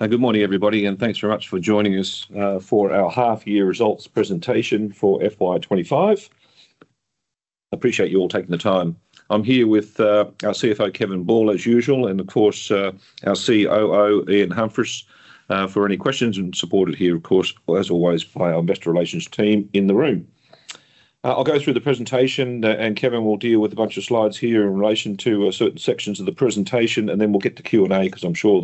Good morning, everybody, and thanks very much for joining us for our half-year results presentation for FY25. I appreciate you all taking the time. I'm here with our CFO, Kevin Ball, as usual, and of course our COO, Ian Humphris, for any questions and supported here, of course, as always, by our investor relations team in the room. I'll go through the presentation, and Kevin will deal with a bunch of slides here in relation to certain sections of the presentation, and then we'll get to Q&A because I'm sure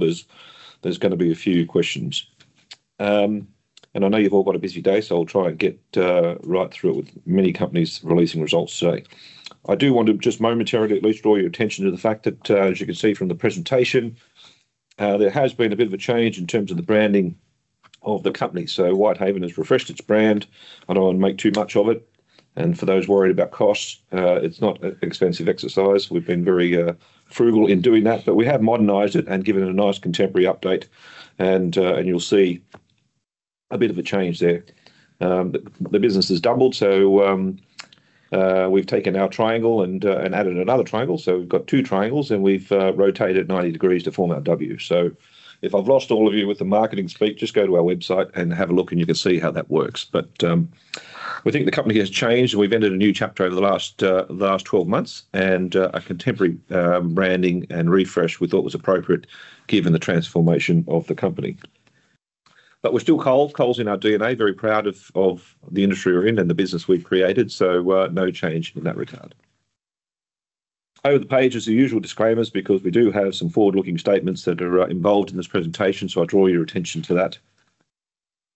there's going to be a few questions. And I know you've all got a busy day, so I'll try and get right through it with many companies releasing results today. I do want to just momentarily at least draw your attention to the fact that, as you can see from the presentation, there has been a bit of a change in terms of the branding of the company, so Whitehaven has refreshed its brand. I don't want to make too much of it, and for those worried about costs, it's not an expensive exercise. We've been very frugal in doing that, but we have modernized it and given it a nice contemporary update, and you'll see a bit of a change there. The business has doubled, so we've taken our triangle and added another triangle, so we've got two triangles, and we've rotated 90 degrees to form our W, so if I've lost all of you with the marketing speak, just go to our website and have a look, and you can see how that works. But we think the company has changed. We've entered a new chapter over the last 12 months, and a contemporary branding and refresh we thought was appropriate given the transformation of the company. But we're still coal. Coal is in our DNA. Very proud of the industry we're in and the business we've created. So no change in that regard. Over the page is the usual disclaimers because we do have some forward-looking statements that are involved in this presentation, so I draw your attention to that.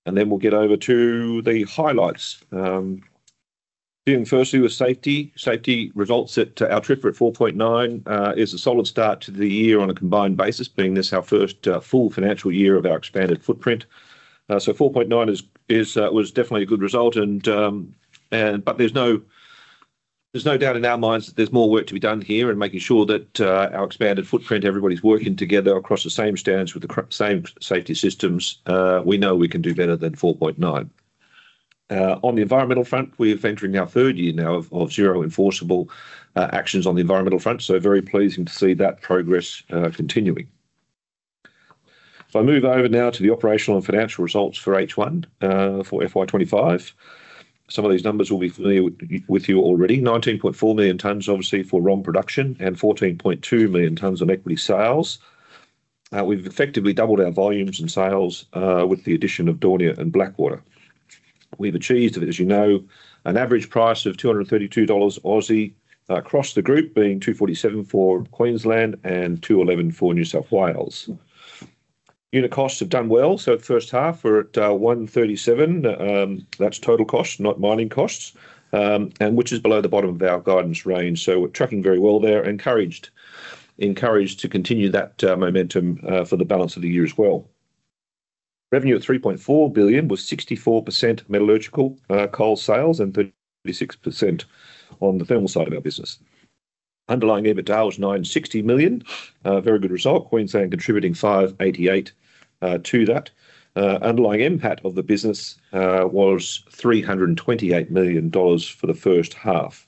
And then we'll get over to the highlights. Dealing firstly with safety. Safety results at our TRIF at 4.9 is a solid start to the year on a combined basis, being this our first full financial year of our expanded footprint. So 4.9 was definitely a good result, but there's no doubt in our minds that there's more work to be done here in making sure that our expanded footprint, everybody's working together across the same standards with the same safety systems. We know we can do better than 4.9. On the environmental front, we're entering our third year now of zero enforceable actions on the environmental front. So very pleasing to see that progress continuing. If I move over now to the operational and financial results for H1 for FY25, some of these numbers will be familiar with you already. 19.4 million tons, obviously, for ROM production and 14.2 million tons of equity sales. We've effectively doubled our volumes and sales with the addition of Daunia and Blackwater. We've achieved, as you know, an average price of 232 Aussie dollars across the group, being 247 for Queensland and 211 for New South Wales. Unit costs have done well. So first half, we're at 137. That's total costs, not mining costs, and which is below the bottom of our guidance range. So we're tracking very well there and encouraged to continue that momentum for the balance of the year as well. Revenue of 3.4 billion with 64% metallurgical coal sales and 36% on the thermal side of our business. Underlying EBITDA was 960 million. Very good result. Queensland contributing 588 million to that. Underlying NPAT of the business was 328 million dollars for the first half.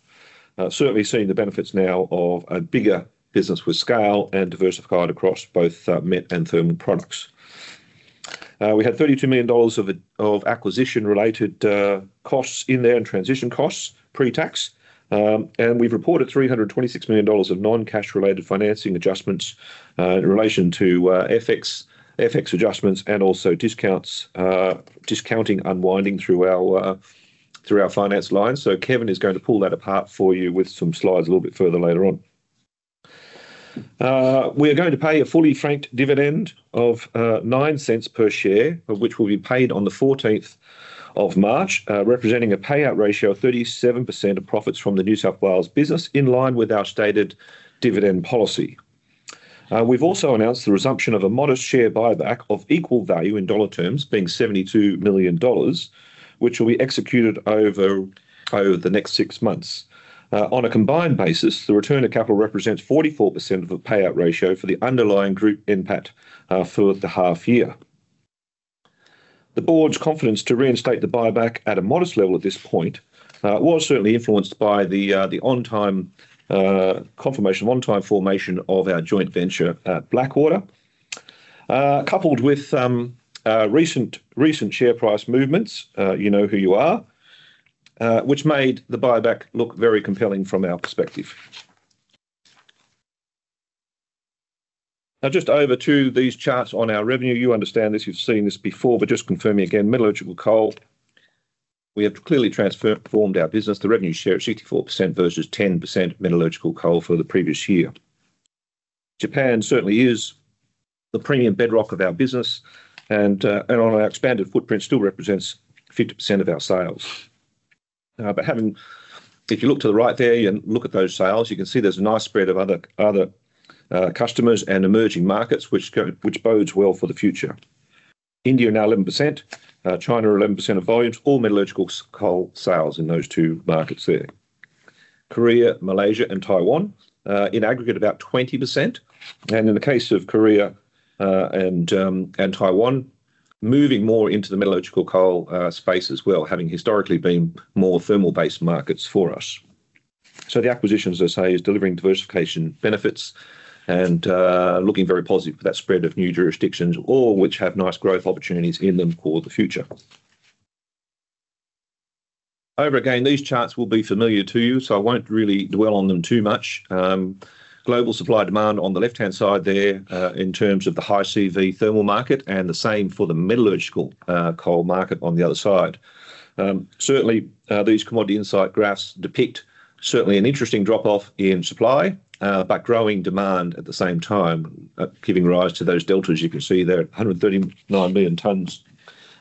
Certainly seeing the benefits now of a bigger business with scale and diversified across both met and thermal products. We had 32 million dollars of acquisition-related costs in there and transition costs pre-tax. We've reported 326 million dollars of non-cash-related financing adjustments in relation to FX adjustments and also discounts, discounting unwinding through our finance line. So Kevin is going to pull that apart for you with some slides a little bit further later on. We are going to pay a fully franked dividend of 0.09 per share, which will be paid on the March 14th, representing a payout ratio of 37% of profits from the New South Wales business in line with our stated dividend policy. We've also announced the resumption of a modest share buyback of equal value in dollar terms, being 72 million dollars, which will be executed over the next six months. On a combined basis, the return to capital represents 44% of a payout ratio for the underlying group NPAT for the half year. The board's confidence to reinstate the buyback at a modest level at this point was certainly influenced by the confirmation of on-time formation of our joint venture at Blackwater, coupled with recent share price movements, you know who you are, which made the buyback look very compelling from our perspective. Now, just over to these charts on our revenue. You understand this. You've seen this before, but just confirming again, metallurgical coal. We have clearly transformed our business. The revenue share is 64% versus 10% metallurgical coal for the previous year. Japan certainly is the premium bedrock of our business, and on our expanded footprint, still represents 50% of our sales. But if you look to the right there and look at those sales, you can see there's a nice spread of other customers and emerging markets, which bodes well for the future. India now 11%, China 11% of volumes, all metallurgical coal sales in those two markets there. Korea, Malaysia, and Taiwan in aggregate about 20%. And in the case of Korea and Taiwan, moving more into the metallurgical coal space as well, having historically been more thermal-based markets for us. So the acquisitions, as I say, is delivering diversification benefits and looking very positive for that spread of new jurisdictions, all which have nice growth opportunities in them for the future. Once again, these charts will be familiar to you, so I won't really dwell on them too much. Global supply and demand on the left-hand side there in terms of the high CV thermal market and the same for the metallurgical coal market on the other side. Certainly, these Commodity Insights graphs depict an interesting drop-off in supply, but growing demand at the same time, giving rise to those deltas. You can see there are 139 million tons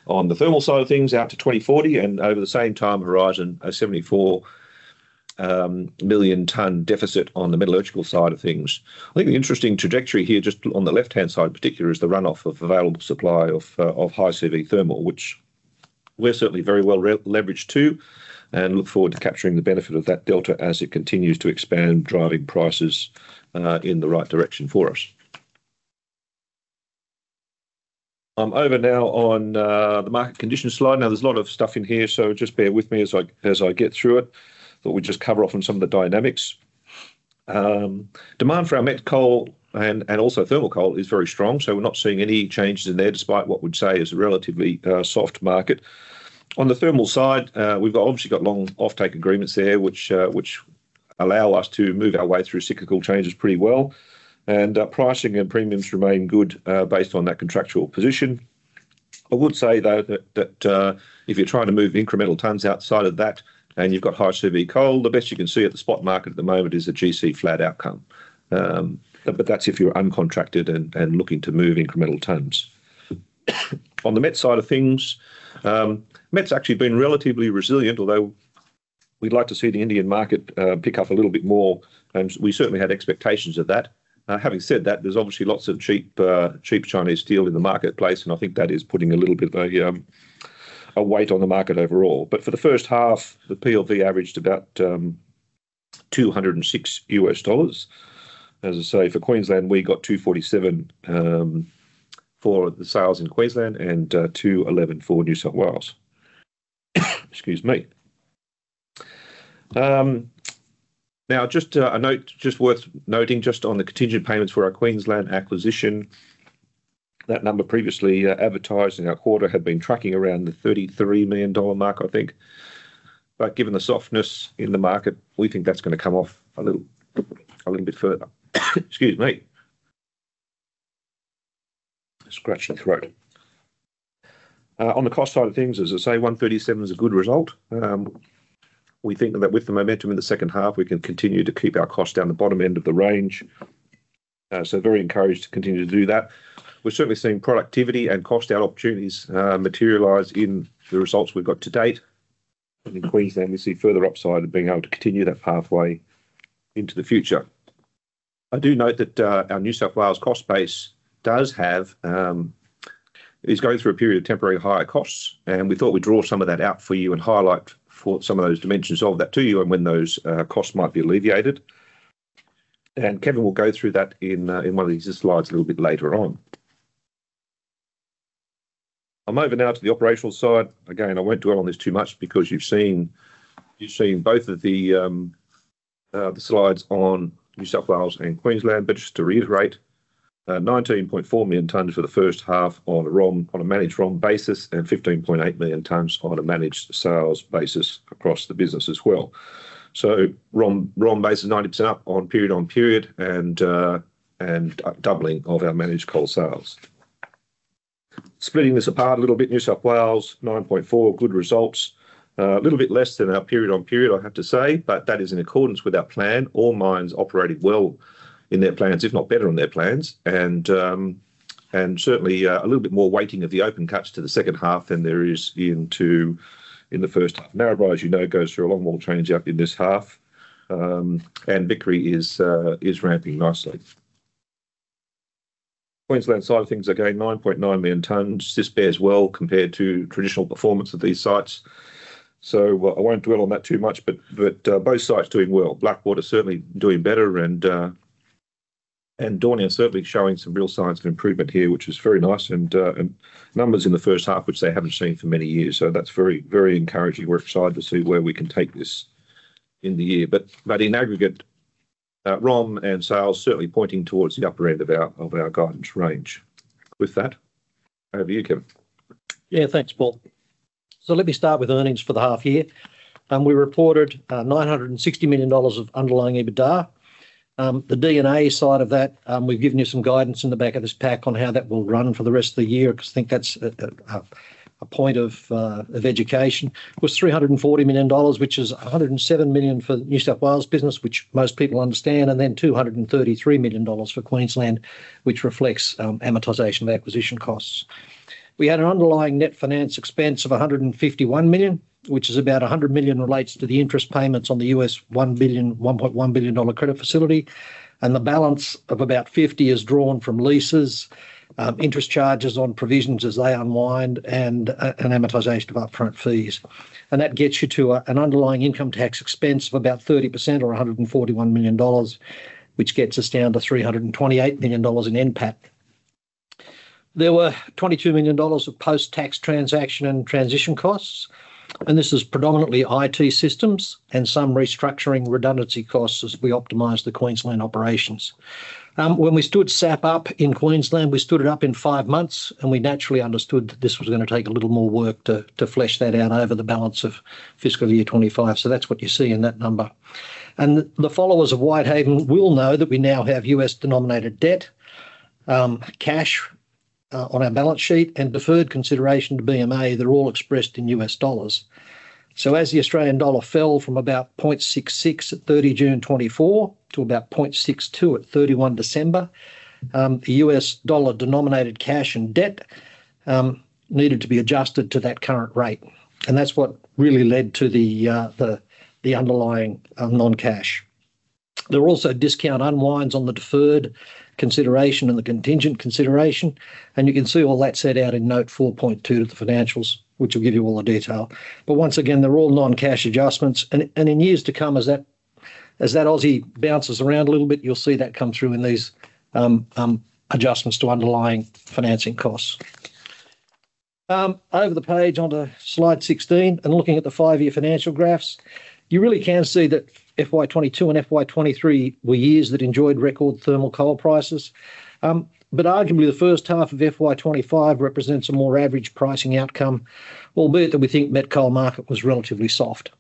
on the thermal side of things out to 2040 and over the same time horizon, a 74 million ton deficit on the metallurgical side of things. I think the interesting trajectory here just on the left-hand side in particular is the run-off of available supply of high CV thermal, which we're certainly very well leveraged to and look forward to capturing the benefit of that delta as it continues to expand, driving prices in the right direction for us. I'm over now on the market condition slide. Now, there's a lot of stuff in here, so just bear with me as I get through it. I thought we'd just cover off on some of the dynamics. Demand for our met coal and also thermal coal is very strong, so we're not seeing any changes in there despite what we'd say is a relatively soft market. On the thermal side, we've obviously got long offtake agreements there, which allow us to move our way through cyclical changes pretty well, and pricing and premiums remain good based on that contractual position. I would say that if you're trying to move incremental tons outside of that and you've got high CV coal, the best you can see at the spot market at the moment is a GC flat outcome. But that's if you're uncontracted and looking to move incremental tons. On the met side of things, met's actually been relatively resilient, although we'd like to see the Indian market pick up a little bit more, and we certainly had expectations of that. Having said that, there's obviously lots of cheap Chinese steel in the marketplace, and I think that is putting a little bit of a weight on the market overall. But for the first half, the PLV averaged about $206. As I say, for Queensland, we got 247 for the sales in Queensland and 211 for New South Wales. Excuse me. Now, just a note, just worth noting just on the contingent payments for our Queensland acquisition, that number previously advertised in our quarter had been tracking around the 33 million dollar mark, I think. But given the softness in the market, we think that's going to come off a little bit further. Excuse me. On the cost side of things, as I say, 137 is a good result. We think that with the momentum in the second half, we can continue to keep our costs down the bottom end of the range. So very encouraged to continue to do that. We're certainly seeing productivity and cost-out opportunities materialize in the results we've got to date. And in Queensland, we see further upside of being able to continue that pathway into the future. I do note that our New South Wales cost base is going through a period of temporary higher costs, and we thought we'd draw some of that out for you and highlight some of those dimensions of that to you and when those costs might be alleviated. And Kevin will go through that in one of these slides a little bit later on. I'm over now to the operational side. Again, I won't dwell on this too much because you've seen both of the slides on New South Wales and Queensland. But just to reiterate, 19.4 million tons for the first half on a managed ROM basis and 15.8 million tons on a managed sales basis across the business as well. So ROM basis 90% up on period on period and doubling of our managed coal sales. Splitting this apart a little bit, New South Wales, 9.4, good results. A little bit less than our period on period, I have to say, but that is in accordance with our plan. All mines operated well in their plans, if not better on their plans. And certainly a little bit more weighting of the open cuts to the second half than there is in the first half. Narrabri, as you know, goes through a longwall in this half, and Vickery is ramping nicely. On the Queensland side of things, again, 9.9 million tons. This bears well compared to traditional performance of these sites. I won't dwell on that too much, but both sites doing well. Blackwater certainly doing better, and Daunia certainly showing some real signs of improvement here, which is very nice and numbers in the first half, which they haven't seen for many years. That's very, very encouraging. We're excited to see where we can take this in the year. In aggregate, ROM and sales certainly pointing towards the upper end of our guidance range. With that, over to you, Kevin. Yeah, thanks, Paul. Let me start with earnings for the half year. We reported 960 million dollars of underlying EBITDA. The D&A side of that, we've given you some guidance in the back of this pack on how that will run for the rest of the year because I think that's a point of education. It was 340 million dollars, which is 107 million for the New South Wales business, which most people understand, and then 233 million dollars for Queensland, which reflects amortization of acquisition costs. We had an underlying net finance expense of 151 million, which is about 100 million relates to the interest payments on the $1.1 billion credit facility, and the balance of about 50 million is drawn from leases, interest charges on provisions as they unwind, and amortization of upfront fees, and that gets you to an underlying income tax expense of about 30% or 141 million dollars, which gets us down to 328 million dollars in NPAT. There were 22 million dollars of post-tax transaction and transition costs, and this is predominantly IT systems and some restructuring redundancy costs as we optimize the Queensland operations. When we stood SAP up in Queensland, we stood it up in five months, and we naturally understood that this was going to take a little more work to flesh that out over the balance of fiscal year 25. So that's what you see in that number. And the followers of Whitehaven will know that we now have U.S. denominated debt, cash on our balance sheet, and deferred consideration to BMA. They're all expressed in U.S. dollars. So as the Australian dollar fell from about 0.66 at June 30, 2024 to about 0.62 at 31 December, the U.S. dollar denominated cash and debt needed to be adjusted to that current rate. And that's what really led to the underlying non-cash. There are also discount unwinds on the deferred consideration and the contingent consideration. You can see all that set out in note 4.2 to the financials, which will give you all the detail. Once again, they're all non-cash adjustments. In years to come, as that Aussie bounces around a little bit, you'll see that come through in these adjustments to underlying financing costs. Over the page onto slide 16 and looking at the five-year financial graphs, you really can see that FY22 and FY23 were years that enjoyed record thermal coal prices. Arguably the first half of FY25 represents a more average pricing outcome, albeit that we think met coal market was relatively soft.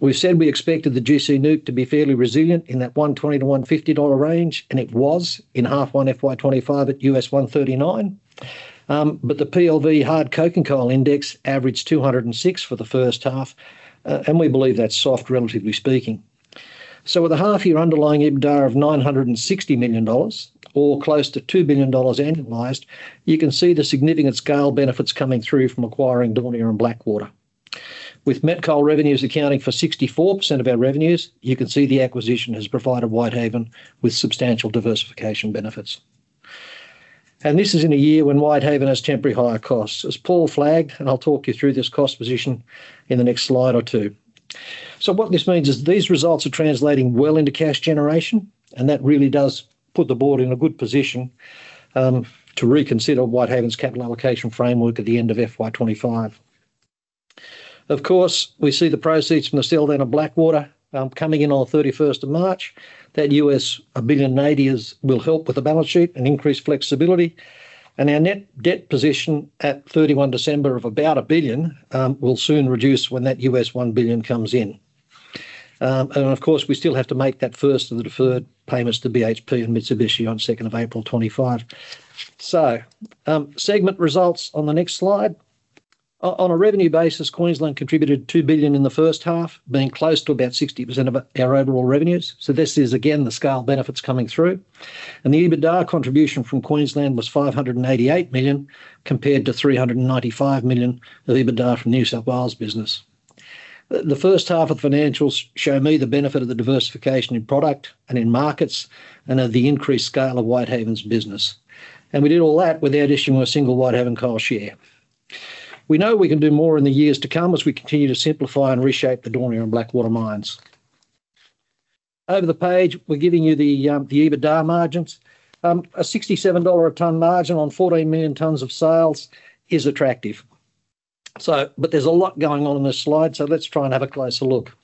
We said we expected the GC NEWC to be fairly resilient in that 120 to 150 range, and it was in half one FY25 at $139. But the PLV hard coking coal index averaged 206 for the first half, and we believe that's soft relatively speaking. So with a half-year underlying EBITDA of 960 million dollars, or close to 2 billion dollars annualized, you can see the significant scale benefits coming through from acquiring Daunia and Blackwater. With met coal revenues accounting for 64% of our revenues, you can see the acquisition has provided Whitehaven with substantial diversification benefits. And this is in a year when Whitehaven has temporary higher costs, as Paul flagged, and I'll talk you through this cost position in the next slide or two. So what this means is these results are translating well into cash generation, and that really does put the board in a good position to reconsider Whitehaven's capital allocation framework at the end of FY25. Of course, we see the proceeds from the sale down of Blackwater coming in on the March 31st. That $1.08 billion will help with the balance sheet and increase flexibility. And our net debt position at December 31 of about 1 billion will soon reduce when that $1 billion comes in. And of course, we still have to make that first of the deferred payments to BHP Mitsubishi on April 2, 2025. So segment results on the next slide. On a revenue basis, Queensland contributed 2 billion in the first half, being close to about 60% of our overall revenues. So this is again the scale benefits coming through. And the EBITDA contribution from Queensland was 588 million compared to 395 million of EBITDA from New South Wales business. The first half of the financials show me the benefit of the diversification in product and in markets and of the increased scale of Whitehaven's business, and we did all that without issuing a single Whitehaven Coal share. We know we can do more in the years to come as we continue to simplify and reshape the Daunia and Blackwater mines. Over the page, we're giving you the EBITDA margins. A 67 dollar a ton margin on 14 million tons of sales is attractive, but there's a lot going on in this slide, so let's try and have a closer look.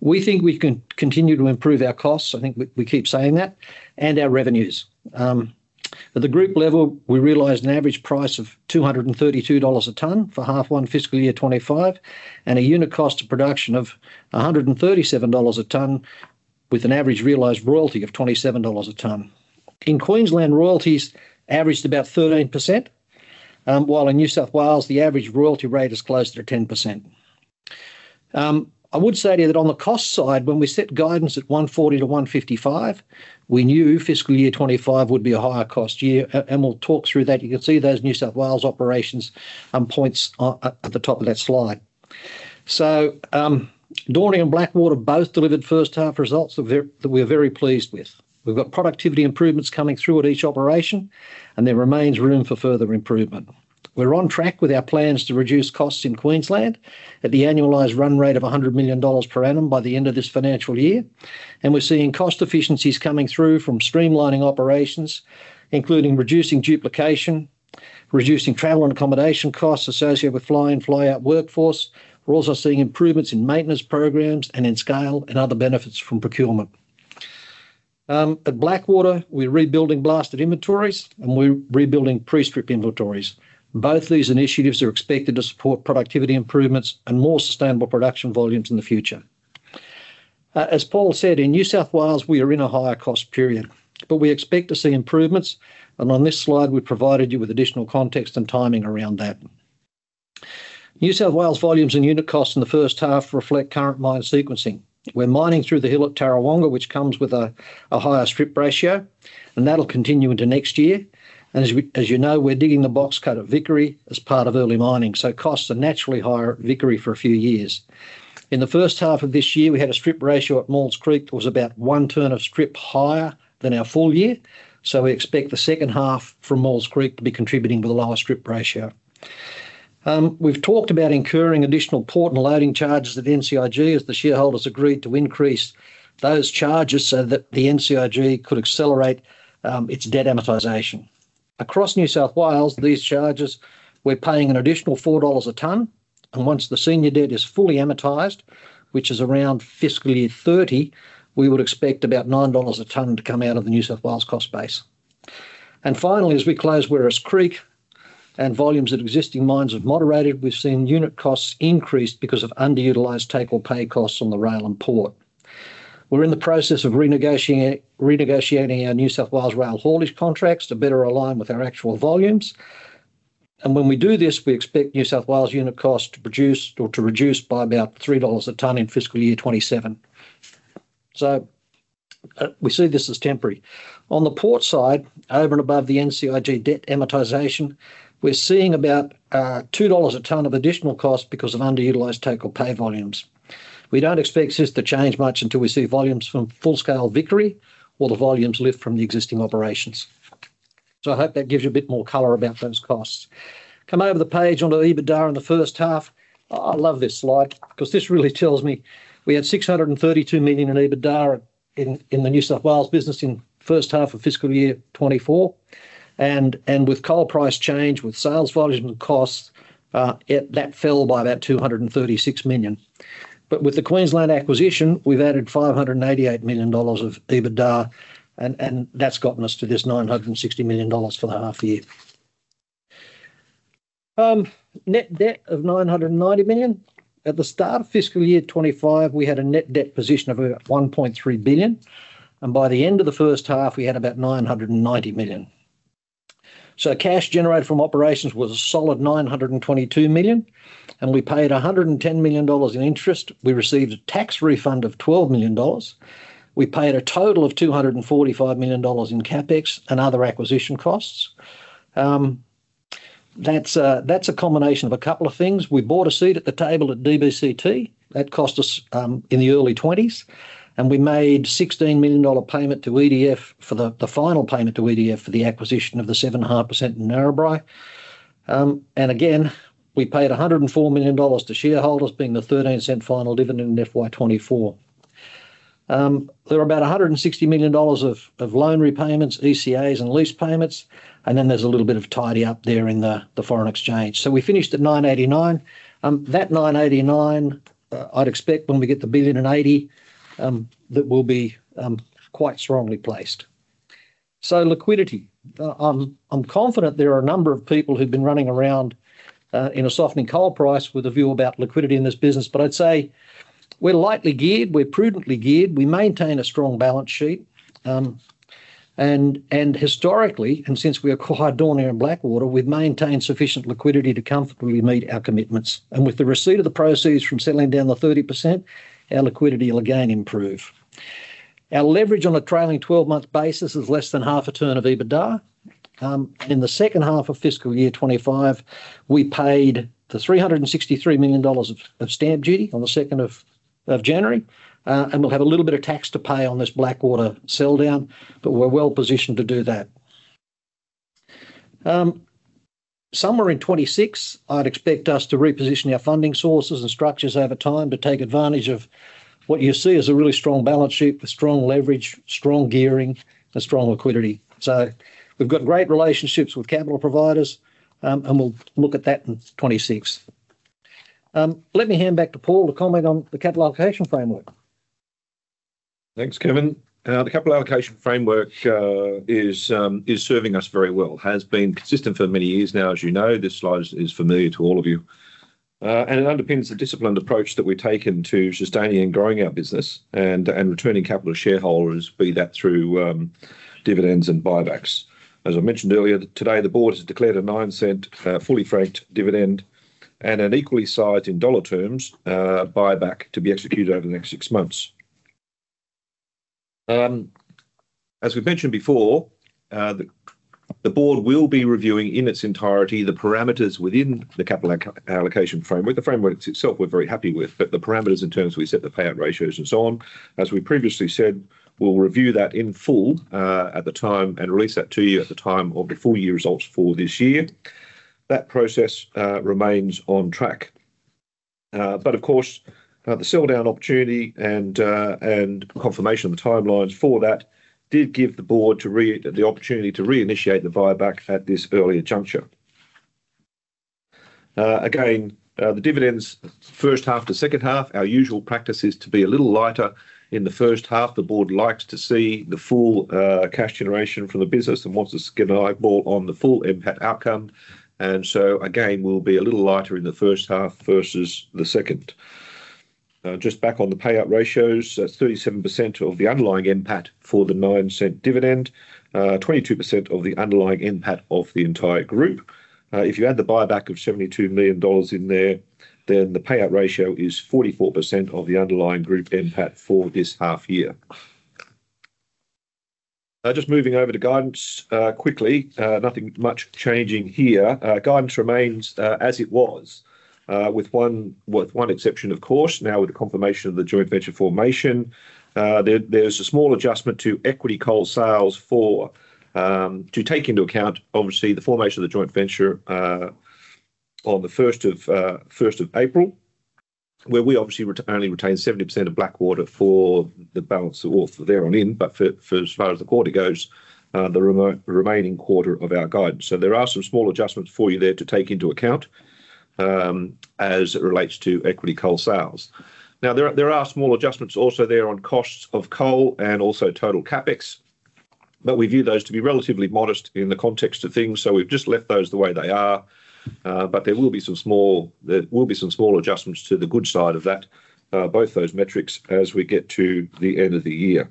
We think we can continue to improve our costs. I think we keep saying that, and our revenues. At the group level, we realized an average price of 232 dollars a ton for 1H fiscal year 25 and a unit cost of production of 137 dollars a ton with an average realized royalty of 27 dollars a ton. In Queensland, royalties averaged about 13%, while in New South Wales, the average royalty rate is closer to 10%. I would say to you that on the cost side, when we set guidance at 140 to 155, we knew fiscal year 25 would be a higher cost year, and we'll talk through that. You can see those New South Wales operations points at the top of that slide, so Daunia and Blackwater both delivered first half results that we are very pleased with. We've got productivity improvements coming through at each operation, and there remains room for further improvement. We're on track with our plans to reduce costs in Queensland at the annualized run rate of 100 million dollars per annum by the end of this financial year. And we're seeing cost efficiencies coming through from streamlining operations, including reducing duplication, reducing travel and accommodation costs associated with fly-in fly-out workforce. We're also seeing improvements in maintenance programs and in scale and other benefits from procurement. At Blackwater, we're rebuilding blasted inventories, and we're rebuilding pre-strip inventories. Both these initiatives are expected to support productivity improvements and more sustainable production volumes in the future. As Paul said, in New South Wales, we are in a higher cost period, but we expect to see improvements. And on this slide, we've provided you with additional context and timing around that. New South Wales volumes and unit costs in the first half reflect current mine sequencing. We're mining through the hill at Tarrawonga, which comes with a higher strip ratio, and that'll continue into next year. And as you know, we're digging the box cut at Vickery as part of early mining. So costs are naturally higher at Vickery for a few years. In the first half of this year, we had a strip ratio at Maules Creek that was about one turn of strip higher than our full year. So we expect the second half from Maules Creek to be contributing with a lower strip ratio. We've talked about incurring additional port and loading charges at NCIG as the shareholders agreed to increase those charges so that the NCIG could accelerate its debt amortization. Across New South Wales, these charges, we're paying an additional 4 dollars a ton. Once the senior debt is fully amortized, which is around fiscal year 2030, we would expect about 9 dollars a ton to come out of the New South Wales cost base. And finally, as we close Werris Creek and volumes at existing mines have moderated, we've seen unit costs increase because of underutilized take-or-pay costs on the rail and port. We're in the process of renegotiating our New South Wales rail haulage contracts to better align with our actual volumes. And when we do this, we expect New South Wales unit costs to produce or to reduce by about 3 dollars a ton in fiscal year 2027. So we see this as temporary. On the port side, over and above the NCIG debt amortization, we're seeing about 2 dollars a ton of additional costs because of underutilized take-or-pay volumes. We don't expect this to change much until we see volumes from full-scale Vickery or the volumes lift from the existing operations. So I hope that gives you a bit more color about those costs. Come over the page on the EBITDA in the first half. I love this slide because this really tells me. We had 632 million in EBITDA in the New South Wales business in first half of fiscal year 2024. And with coal price change, with sales volume and costs, that fell by about 236 million, but with the Queensland acquisition, we've added 588 million dollars of EBITDA, and that's gotten us to this 960 million dollars for the half year. Net debt of 990 million. At the start of fiscal year 2025, we had a net debt position of about 1.3 billion, and by the end of the first half, we had about 990 million. Cash generated from operations was a solid 922 million. And we paid 110 million dollars in interest. We received a tax refund of 12 million dollars. We paid a total of 245 million dollars in CapEx and other acquisition costs. That's a combination of a couple of things. We bought a seat at the table at DBCT that cost us in the early 20s. And we made a 16 million dollar payment to EDF for the final payment to EDF for the acquisition of the 7.5% in Narrabri. And again, we paid 104 million dollars to shareholders being the 13% final dividend in FY24. There are about 160 million dollars of loan repayments, ECAs, and lease payments. And then there's a little bit of tidy up there in the foreign exchange. So we finished at 989. That 989, I'd expect when we get the $1.08 billion, that will be quite strongly placed. So liquidity. I'm confident there are a number of people who've been running around in a softening coal price with a view about liquidity in this business, but I'd say we're lightly geared. We're prudently geared. We maintain a strong balance sheet, and historically, and since we acquired Daunia and Blackwater, we've maintained sufficient liquidity to comfortably meet our commitments, and with the receipt of the proceeds from the sell-down of the 30%, our liquidity will again improve. Our leverage on a trailing 12-month basis is less than half a turn of EBITDA. In the second half of fiscal year 2025, we paid the 363 million dollars of stamp duty on the January 2nd, and we'll have a little bit of tax to pay on this Blackwater sell-down, but we're well positioned to do that. Somewhere in 2026, I'd expect us to reposition our funding sources and structures over time to take advantage of what you see as a really strong balance sheet with strong leverage, strong gearing, and strong liquidity. So we've got great relationships with capital providers, and we'll look at that in 2026. Let me hand back to Paul to comment on the capital allocation framework. Thanks, Kevin. The capital allocation framework is serving us very well, has been consistent for many years now, as you know. This slide is familiar to all of you, and it underpins the disciplined approach that we've taken to sustaining and growing our business and returning capital to shareholders, be that through dividends and buybacks. As I mentioned earlier, today the board has declared a 9% fully franked dividend and an equally sized in dollar terms buyback to be executed over the next six months. As we've mentioned before, the board will be reviewing in its entirety the parameters within the capital allocation framework. The framework itself we're very happy with, but the parameters in terms we set the payout ratios and so on. As we previously said, we'll review that in full at the time and release that to you at the time of the full year results for this year. That process remains on track, but of course, the sell down opportunity and confirmation of the timelines for that did give the board the opportunity to reinitiate the buyback at this earlier juncture. Again, the dividends, first half to second half, our usual practice is to be a little lighter in the first half. The board likes to see the full cash generation from the business and wants to keep an eye on the full NPAT outcome. We'll be a little lighter in the first half versus the second. Just back on the payout ratios, that's 37% of the underlying NPAT for the 9% dividend, 22% of the underlying NPAT of the entire group. If you add the buyback of 72 million dollars in there, then the payout ratio is 44% of the underlying group NPAT for this half year. Just moving over to guidance quickly, nothing much changing here. Guidance remains as it was, with one exception, of course, now with the confirmation of the joint venture formation. There's a small adjustment to equity coal sales to take into account, obviously, the formation of the joint venture on the April 1st, where we obviously only retain 70% of Blackwater for the balance of the year there on in. But as far as the quarter goes, the remaining quarter of our guidance. So there are some small adjustments for you there to take into account as it relates to equity coal sales. Now, there are small adjustments also there on costs of coal and also total CapEx, but we view those to be relatively modest in the context of things. So we've just left those the way they are, but there will be some small adjustments to the good side of that, both those metrics as we get to the end of the year.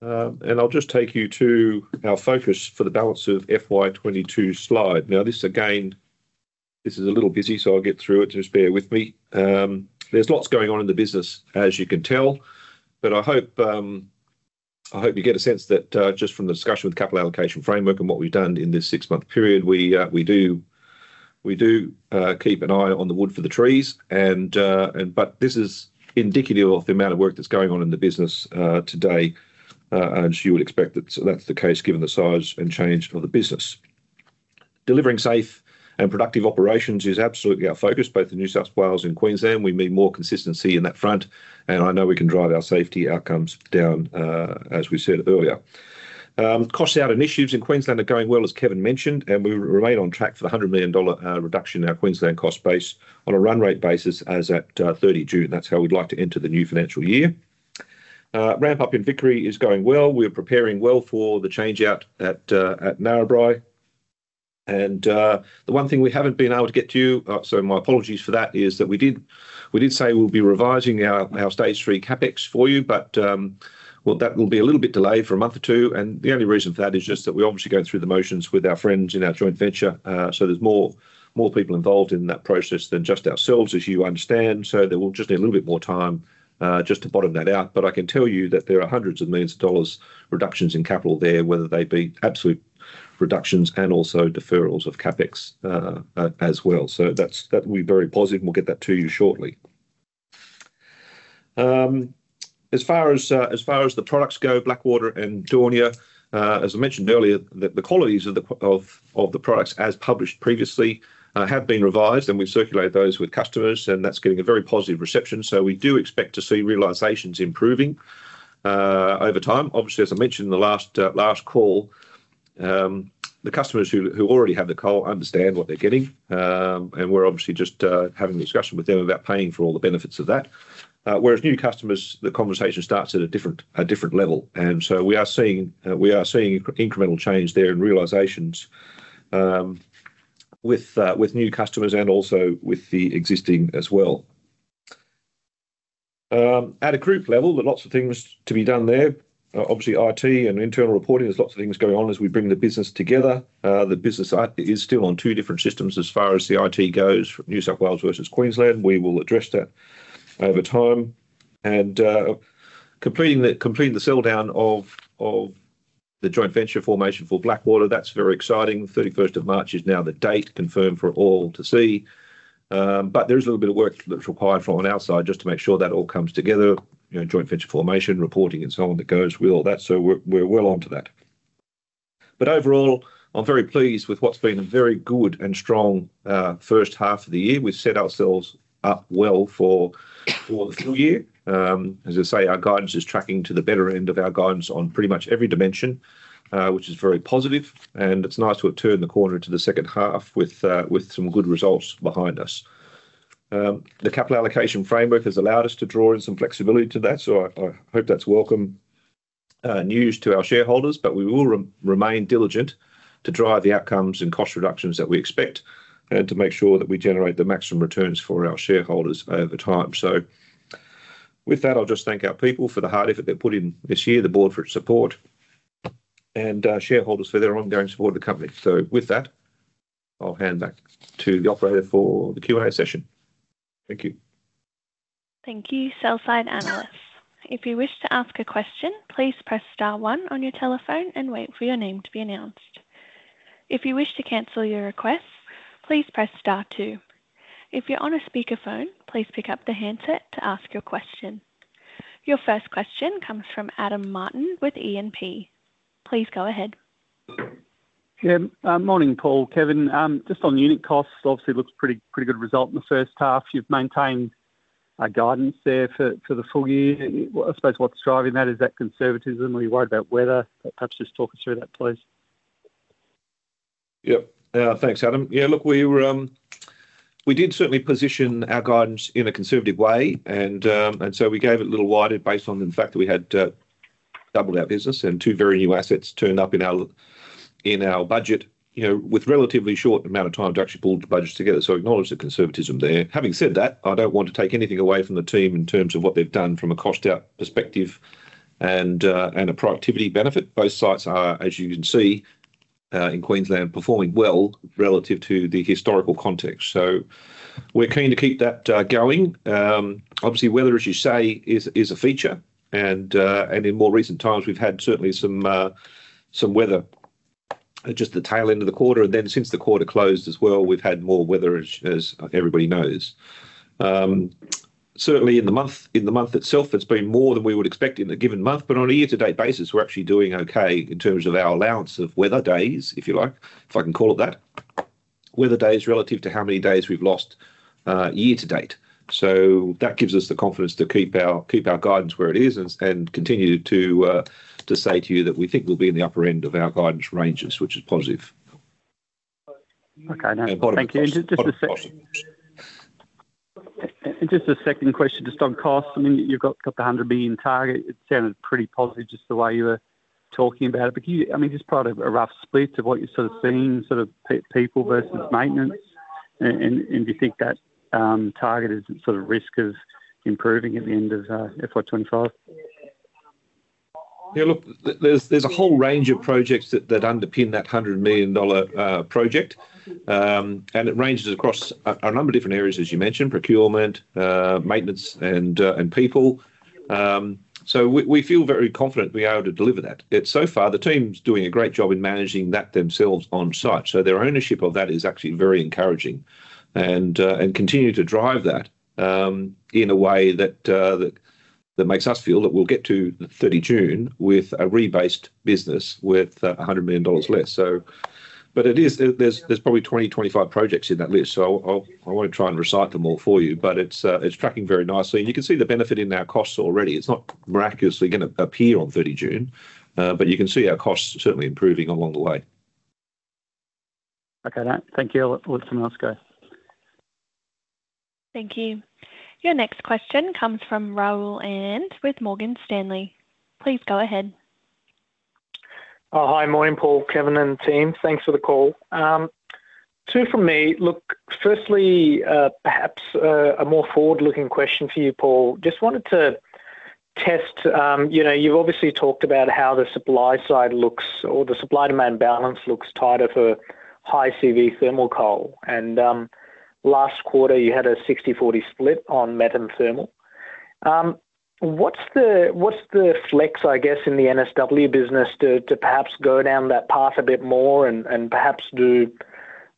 And I'll just take you to our focus for the balance of FY22 slide. Now, this again, this is a little busy, so I'll get through it. Just bear with me. There's lots going on in the business, as you can tell, but I hope you get a sense that just from the discussion with the capital allocation framework and what we've done in this six-month period, we do keep an eye on the wood for the trees. But this is indicative of the amount of work that's going on in the business today. And you would expect that that's the case given the size and change of the business. Delivering safe and productive operations is absolutely our focus, both in New South Wales and Queensland. We need more consistency in that front, and I know we can drive our safety outcomes down, as we said earlier. Cost out initiatives in Queensland are going well, as Kevin mentioned, and we remain on track for the 100 million dollar reduction in our Queensland cost base on a run rate basis as at 30 June. That's how we'd like to enter the new financial year. Ramp up in Vickery is going well. We're preparing well for the change out at Narrabri. The one thing we haven't been able to get to you, so my apologies for that, is that we did say we'll be revising our stage three CapEx for you, but that will be a little bit delayed for a month or two. The only reason for that is just that we obviously go through the motions with our friends in our joint venture. There's more people involved in that process than just ourselves, as you understand. So there will just be a little bit more time just to bottom that out. But I can tell you that there are hundreds of millions of dollars reductions in capital there, whether they be absolute reductions and also deferrals of CapEx as well. So that will be very positive. We'll get that to you shortly. As far as the products go, Blackwater and Daunia, as I mentioned earlier, the qualities of the products as published previously have been revised, and we've circulated those with customers, and that's getting a very positive reception. So we do expect to see realizations improving over time. Obviously, as I mentioned in the last call, the customers who already have the coal understand what they're getting, and we're obviously just having a discussion with them about paying for all the benefits of that. Whereas new customers, the conversation starts at a different level. And so we are seeing incremental change there in realizations with new customers and also with the existing as well. At a group level, there are lots of things to be done there. Obviously, IT and internal reporting, there's lots of things going on as we bring the business together. The business is still on two different systems as far as the IT goes, New South Wales versus Queensland. We will address that over time. And completing the sell down of the joint venture formation for Blackwater, that's very exciting. The March 31st is now the date confirmed for all to see. But there is a little bit of work that's required from our side just to make sure that all comes together, joint venture formation, reporting, and so on that goes. We're all over that, so we're well onto that. But overall, I'm very pleased with what's been a very good and strong first half of the year. We've set ourselves up well for the full year. As I say, our guidance is tracking to the better end of our guidance on pretty much every dimension, which is very positive. And it's nice to have turned the corner to the second half with some good results behind us. The Capital allocation framework has allowed us to draw in some flexibility to that, so I hope that's welcome news to our shareholders. But we will remain diligent to drive the outcomes and cost reductions that we expect and to make sure that we generate the maximum returns for our shareholders over time. So with that, I'll just thank our people for the hard effort they've put in this year, the board for its support, and shareholders for their ongoing support of the company. So with that, I'll hand back to the operator for the Q&A session. Thank you. Thank you, sell side analysts. If you wish to ask a question, please press star one on your telephone and wait for your name to be announced. If you wish to cancel your request, please press star two. If you're on a speakerphone, please pick up the handset to ask your question. Your first question comes from Adam Martin with E&P. Please go ahead. Morning, Paul. Kevin, just on unit costs, obviously looks pretty good result in the first half. You've maintained guidance there for the full year. I suppose what's driving that is that conservatism. Are you worried about weather? Perhaps just talk us through that, please. Yep. Thanks, Adam. Yeah, look, we did certainly position our guidance in a conservative way, and so we gave it a little wider based on the fact that we had doubled our business and two very new assets turned up in our budget with relatively short amount of time to actually pull the budgets together, so acknowledge the conservatism there. Having said that, I don't want to take anything away from the team in terms of what they've done from a cost out perspective and a productivity benefit. Both sites are, as you can see in Queensland, performing well relative to the historical context, so we're keen to keep that going. Obviously, weather, as you say, is a feature, and in more recent times, we've had certainly some weather just the tail end of the quarter. And then since the quarter closed as well, we've had more weather, as everybody knows. Certainly, in the month itself, it's been more than we would expect in a given month. But on a year-to-date basis, we're actually doing okay in terms of our allowance of weather days, if you like, if I can call it that, weather days relative to how many days we've lost year-to-date. So that gives us the confidence to keep our guidance where it is and continue to say to you that we think we'll be in the upper end of our guidance ranges, which is positive. Okay, no. Thank you. And just a second. And just a second question, just on costs. I mean, you've got a couple of hundred million target. It sounded pretty positive just the way you were talking about it. But I mean, just part of a rough split of what you're sort of seeing, sort of people versus maintenance. And do you think that target is sort of risk of improving at the end of FY25? Yeah, look, there's a whole range of projects that underpin that 100 million dollar project. And it ranges across a number of different areas, as you mentioned, procurement, maintenance, and people. So we feel very confident we are able to deliver that. So far, the team's doing a great job in managing that themselves on site. So their ownership of that is actually very encouraging and continue to drive that in a way that makes us feel that we'll get to June 30 with a rebased business with 100 million dollars less. But there's probably 20 to 25 projects in that list. So I won't try and recite them all for you, but it's tracking very nicely. And you can see the benefit in our costs already. It's not miraculously going to appear on June 30, but you can see our costs certainly improving along the way. Okay, thank you. Let someone else go. Thank you. Your next question comes from Rahul Anand with Morgan Stanley. Please go ahead. Hi, morning, Paul, Kevin, and team. Thanks for the call. Two from me. Look, firstly, perhaps a more forward-looking question for you, Paul. Just wanted to test. You've obviously talked about how the supply side looks or the supply-demand balance looks tighter for high-CV thermal coal. And last quarter, you had a 60-40 split on met and thermal. What's the flex, I guess, in the NSW business to perhaps go down that path a bit more and perhaps do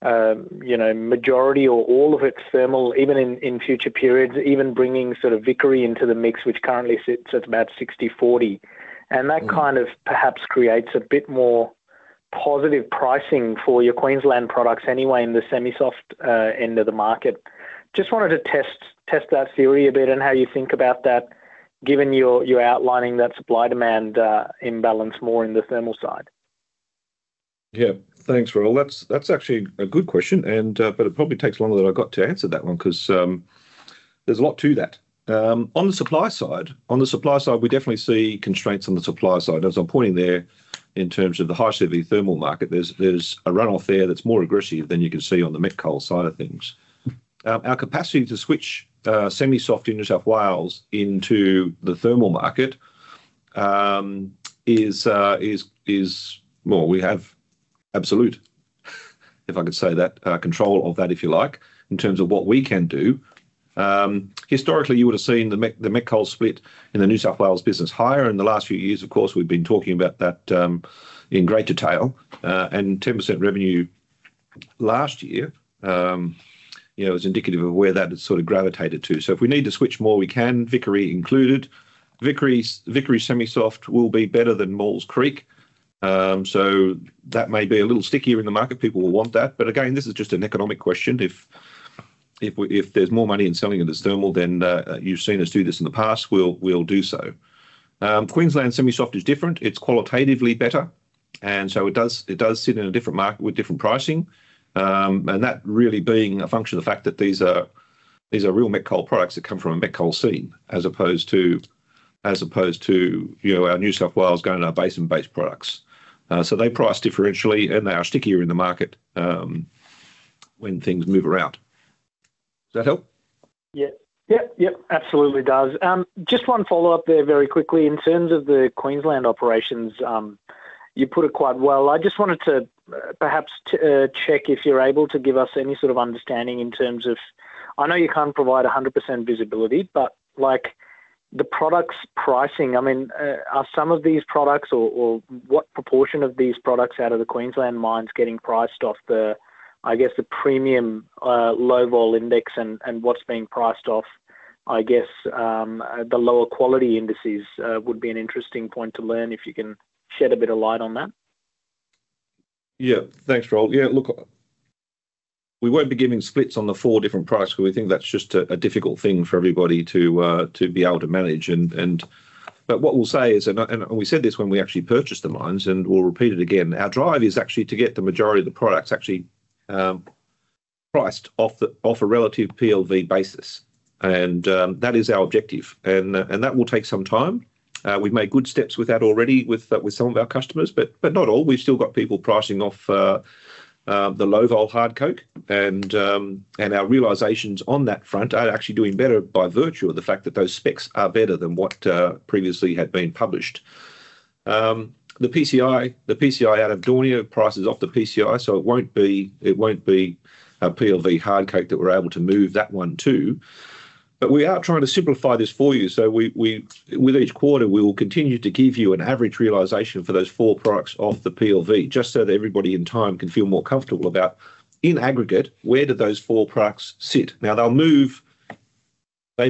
majority or all of its thermal, even in future periods, even bringing sort of Vickery into the mix, which currently sits at about 60-40? And that kind of perhaps creates a bit more positive pricing for your Queensland products anyway in the semi-soft end of the market. Just wanted to test that theory a bit and how you think about that, given you're outlining that supply-demand imbalance more in the thermal side. Yeah, thanks, Rahul. That's actually a good question, but it probably takes longer than I got to answer that one because there's a lot to that. On the supply side, we definitely see constraints on the supply side. As I'm pointing there in terms of the high-CV thermal market, there's a run-off there that's more aggressive than you can see on the met coal side of things. Our capacity to switch semi-soft in New South Wales into the thermal market is more we have absolute, if I could say that, control of that, if you like, in terms of what we can do. Historically, you would have seen the met coal split in the New South Wales business higher. In the last few years, of course, we've been talking about that in great detail, and 10% revenue last year is indicative of where that has sort of gravitated to. So if we need to switch more, we can, Vickery included. Vickery semi-soft will be better than Maules Creek. So that may be a little stickier in the market. People will want that. But again, this is just an economic question. If there's more money in selling it as thermal, then you've seen us do this in the past, we'll do so. Queensland semi-soft is different. It's qualitatively better. And so it does sit in a different market with different pricing. And that really being a function of the fact that these are real met coal products that come from a met coal seam, as opposed to our New South Wales Gunnedah Basin-based products. So they price differentially, and they are stickier in the market when things move around. Does that help? Yep. Yep, yep. Absolutely does. Just one follow-up there very quickly. In terms of the Queensland operations, you put it quite well. I just wanted to perhaps check if you're able to give us any sort of understanding in terms of I know you can't provide 100% visibility, but the products' pricing, I mean, are some of these products or what proportion of these products out of the Queensland mines getting priced off the, I guess, the premium low vol index and what's being priced off, I guess, the lower quality indices would be an interesting point to learn if you can shed a bit of light on that. Yeah. Thanks, Rahul. Yeah, look, we won't be giving splits on the four different price because we think that's just a difficult thing for everybody to be able to manage. But what we'll say is, and we said this when we actually purchased the mines, and we'll repeat it again, our drive is actually to get the majority of the products actually priced off a relative PLV basis. And that is our objective. And that will take some time. We've made good steps with that already with some of our customers, but not all. We've still got people pricing off the low-vol hard coke. And our realizations on that front are actually doing better by virtue of the fact that those specs are better than what previously had been published. The PCI out of Daunia prices off the PCI, so it won't be a PLV hard coke that we're able to move that one to. But we are trying to simplify this for you. So with each quarter, we will continue to give you an average realization for those four products off the PLV, just so that everybody in time can feel more comfortable about, in aggregate, where do those four products sit? Now, they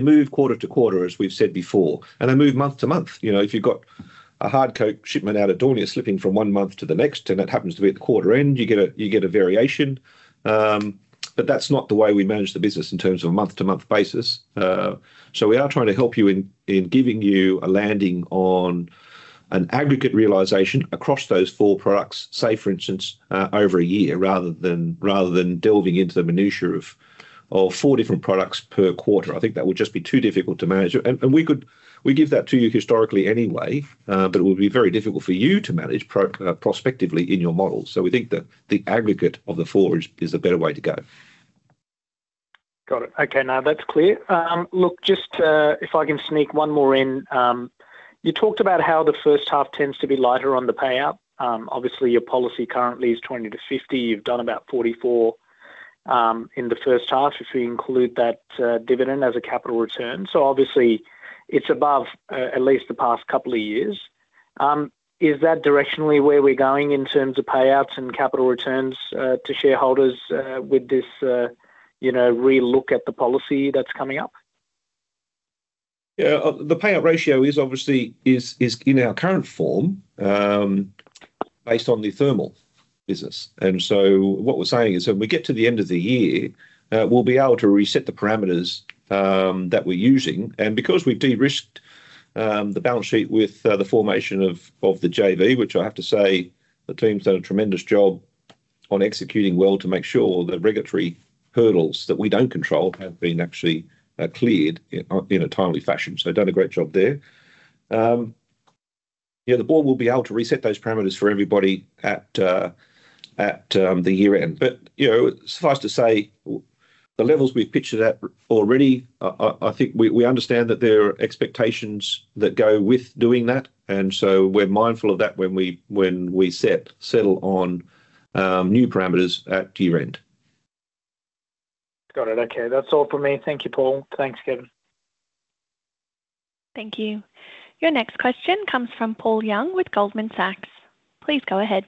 move quarter to quarter, as we've said before. And they move month to month. If you've got a hard coking coal shipment out of Daunia slipping from one month to the next, and it happens to be at the quarter end, you get a variation. But that's not the way we manage the business in terms of a month-to-month basis. So we are trying to help you in giving you a landing on an aggregate realization across those four products, say, for instance, over a year, rather than delving into the minutiae of four different products per quarter. I think that would just be too difficult to manage. We give that to you historically anyway, but it would be very difficult for you to manage prospectively in your model. So we think that the aggregate of the four is the better way to go. Got it. Okay, now that's clear. Look, just if I can sneak one more in, you talked about how the first half tends to be lighter on the payout. Obviously, your policy currently is 20% to 50%. You've done about 44% in the first half if we include that dividend as a capital return. So obviously, it's above at least the past couple of years. Is that directionally where we're going in terms of payouts and capital returns to shareholders with this relook at the policy that's coming up? Yeah, the payout ratio is obviously in our current form based on the thermal business. And so what we're saying is, when we get to the end of the year, we'll be able to reset the parameters that we're using. And because we've de-risked the balance sheet with the formation of the JV, which I have to say, the team's done a tremendous job on executing well to make sure the regulatory hurdles that we don't control have been actually cleared in a timely fashion. So done a great job there. Yeah, the board will be able to reset those parameters for everybody at the year-end. But suffice to say, the levels we've pictured at already, I think we understand that there are expectations that go with doing that. And so we're mindful of that when we settle on new parameters at year-end. Got it. Okay. That's all for me. Thank you, Paul. Thanks, Kevin. Thank you. Your next question comes from Paul Young with Goldman Sachs. Please go ahead.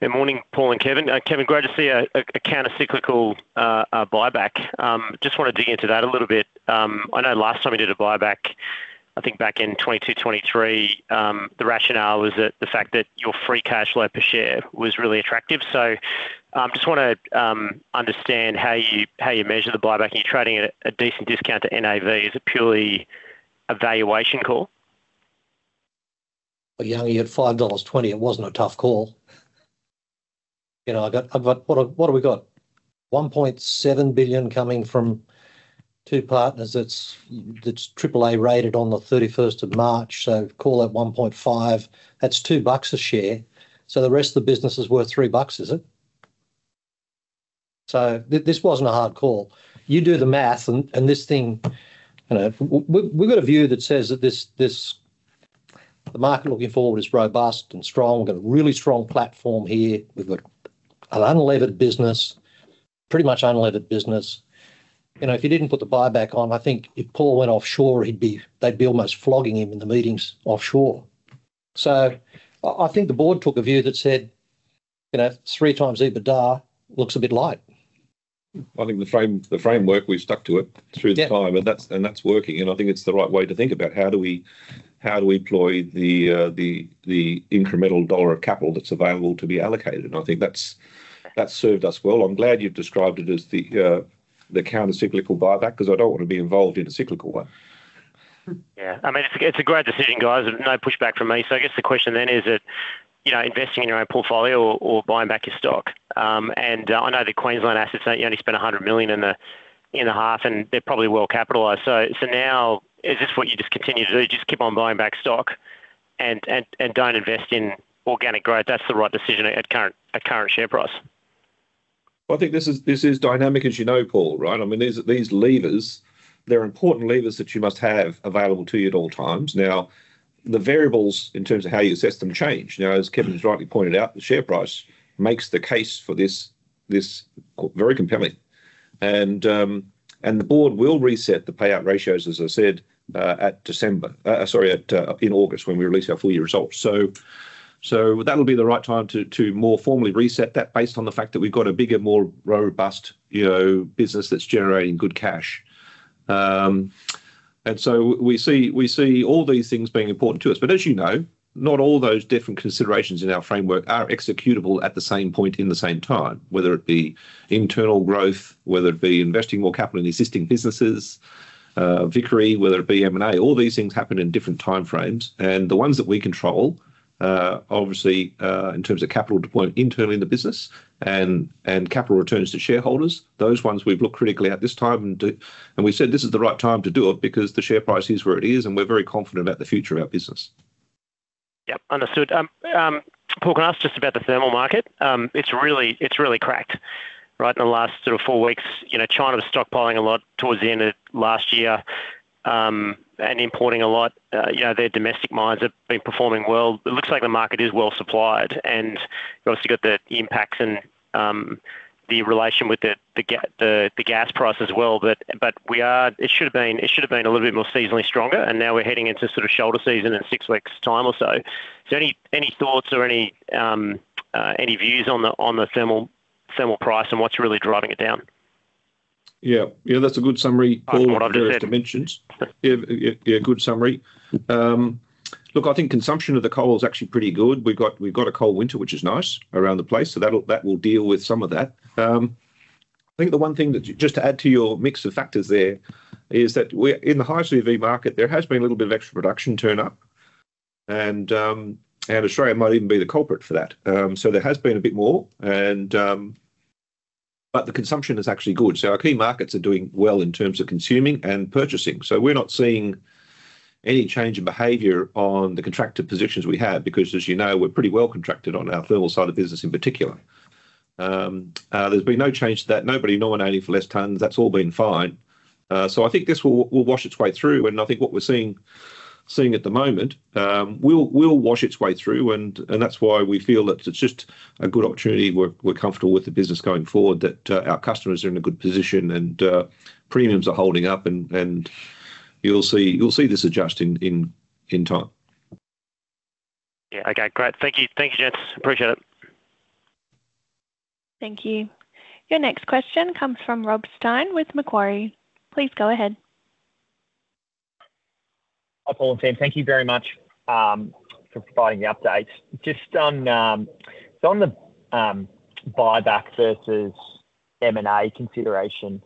Good morning, Paul and Kevin. Kevin, great to see a countercyclical buyback. Just wanted to dig into that a little bit. I know last time we did a buyback, I think back in 2022, 2023, the rationale was that the fact that your free cash flow per share was really attractive. So I just want to understand how you measure the buyback. Are you trading at a decent discount to NAV? Is it purely a valuation call? Yeah, you had 5.20 dollars. It wasn't a tough call. But what have we got? 1.7 billion coming from two partners. It's AAA rated on the March 31st. So call it 1.5. That's 2 bucks a share. So the rest of the business is worth 3 bucks, is it? So this wasn't a hard call. You do the math, and this thing we've got a view that says that the market looking forward is robust and strong. We've got a really strong platform here. We've got an unlevered business, pretty much unlevered business. If you didn't put the buyback on, I think if Paul went offshore, they'd be almost flogging him in the meetings offshore, so I think the board took a view that said three times EBITDA looks a bit light. I think the framework, we've stuck to it through the time, and that's working, and I think it's the right way to think about how do we deploy the incremental dollar of capital that's available to be allocated, and I think that's served us well. I'm glad you've described it as the countercyclical buyback because I don't want to be involved in a cyclical one. Yeah. I mean, it's a great decision, guys. No pushback from me. So I guess the question then is, investing in your own portfolio or buying back your stock? And I know that Queensland Assets, you only spent 100 million in the half, and they're probably well capitalized. So now, is this what you just continue to do? Just keep on buying back stock and don't invest in organic growth? That's the right decision at current share price? Well, I think this is dynamic, as you know, Paul, right? I mean, these levers, they're important levers that you must have available to you at all times. Now, the variables in terms of how you assess them change. Now, as Kevin's rightly pointed out, the share price makes the case for this very compelling. And the board will reset the payout ratios, as I said, at December, sorry, in August when we release our full-year results. So that'll be the right time to more formally reset that based on the fact that we've got a bigger, more robust business that's generating good cash. And so we see all these things being important to us. But as you know, not all those different considerations in our framework are executable at the same point in the same time, whether it be internal growth, whether it be investing more capital in existing businesses, Vickery, whether it be M&A. All these things happen in different timeframes. And the ones that we control, obviously, in terms of capital deployment internally in the business and capital returns to shareholders, those ones we've looked critically at this time. And we said this is the right time to do it because the share price is where it is, and we're very confident about the future of our business. Yep. Understood. Paul, can I ask just about the thermal market? It's really cracked, right, in the last sort of four weeks. China was stockpiling a lot towards the end of last year and importing a lot. Their domestic mines have been performing well. It looks like the market is well supplied. And obviously, you've got the impacts and the relation with the gas price as well. But it should have been a little bit more seasonally stronger. And now we're heading into sort of shoulder season in six weeks' time or so. So any thoughts or any views on the thermal price and what's really driving it down? Yeah. Yeah, that's a good summary, Paul. Yeah, good summary. Look, I think consumption of the coal is actually pretty good. We've got a cold winter, which is nice around the place. So that will deal with some of that. I think the one thing that just to add to your mix of factors there is that in the high-CV market, there has been a little bit of extra production turn up. And Australia might even be the culprit for that. So there has been a bit more. But the consumption is actually good. So our key markets are doing well in terms of consuming and purchasing. So we're not seeing any change in behavior on the contractor positions we have because, as you know, we're pretty well contracted on our thermal side of business in particular. There's been no change to that. Nobody nominating for less tons. That's all been fine. So I think this will wash its way through. And I think what we're seeing at the moment will wash its way through. And that's why we feel that it's just a good opportunity. We're comfortable with the business going forward, that our customers are in a good position and premiums are holding up. And you'll see this adjust in time. Yeah. Okay. Great. Thank you, gents. Appreciate it. Thank you. Your next question comes from Rob Stein with Macquarie. Please go ahead. Hi, Paul and team. Thank you very much for providing the update. Just on the buyback versus M&A consideration,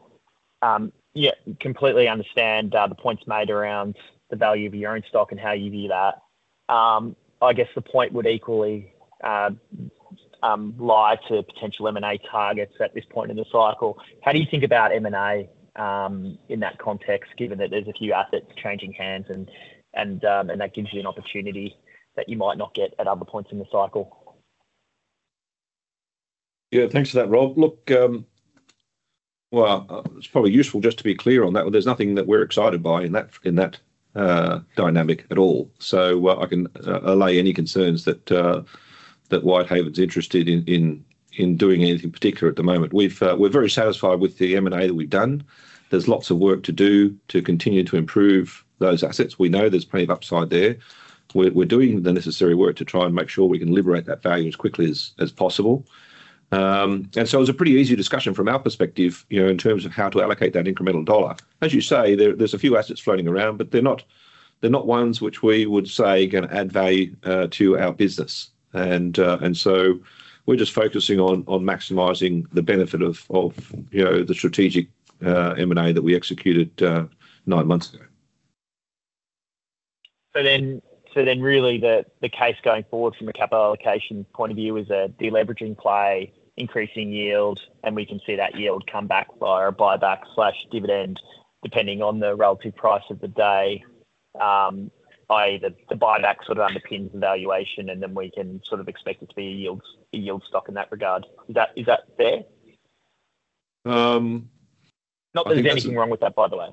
yeah, completely understand the points made around the value of your own stock and how you view that. I guess the point would equally lie to potential M&A targets at this point in the cycle. How do you think about M&A in that context, given that there's a few assets changing hands and that gives you an opportunity that you might not get at other points in the cycle? Yeah. Thanks for that, Rob. Look, well, it's probably useful just to be clear on that. There's nothing that we're excited by in that dynamic at all. So I can allay any concerns that Whitehaven's interested in doing anything particular at the moment. We're very satisfied with the M&A that we've done. There's lots of work to do to continue to improve those assets. We know there's plenty of upside there. We're doing the necessary work to try and make sure we can liberate that value as quickly as possible. And so it was a pretty easy discussion from our perspective in terms of how to allocate that incremental dollar. As you say, there's a few assets floating around, but they're not ones which we would say are going to add value to our business. We're just focusing on maximizing the benefit of the strategic M&A that we executed nine months ago. Really, the case going forward from a capital allocation point of view is a deleveraging play, increasing yield, and we can see that yield come back via a buyback/dividend depending on the relative price of the day, i.e., the buyback sort of underpins the valuation, and then we can sort of expect it to be a yield stock in that regard. Is that fair? Not that there's anything wrong with that, by the way.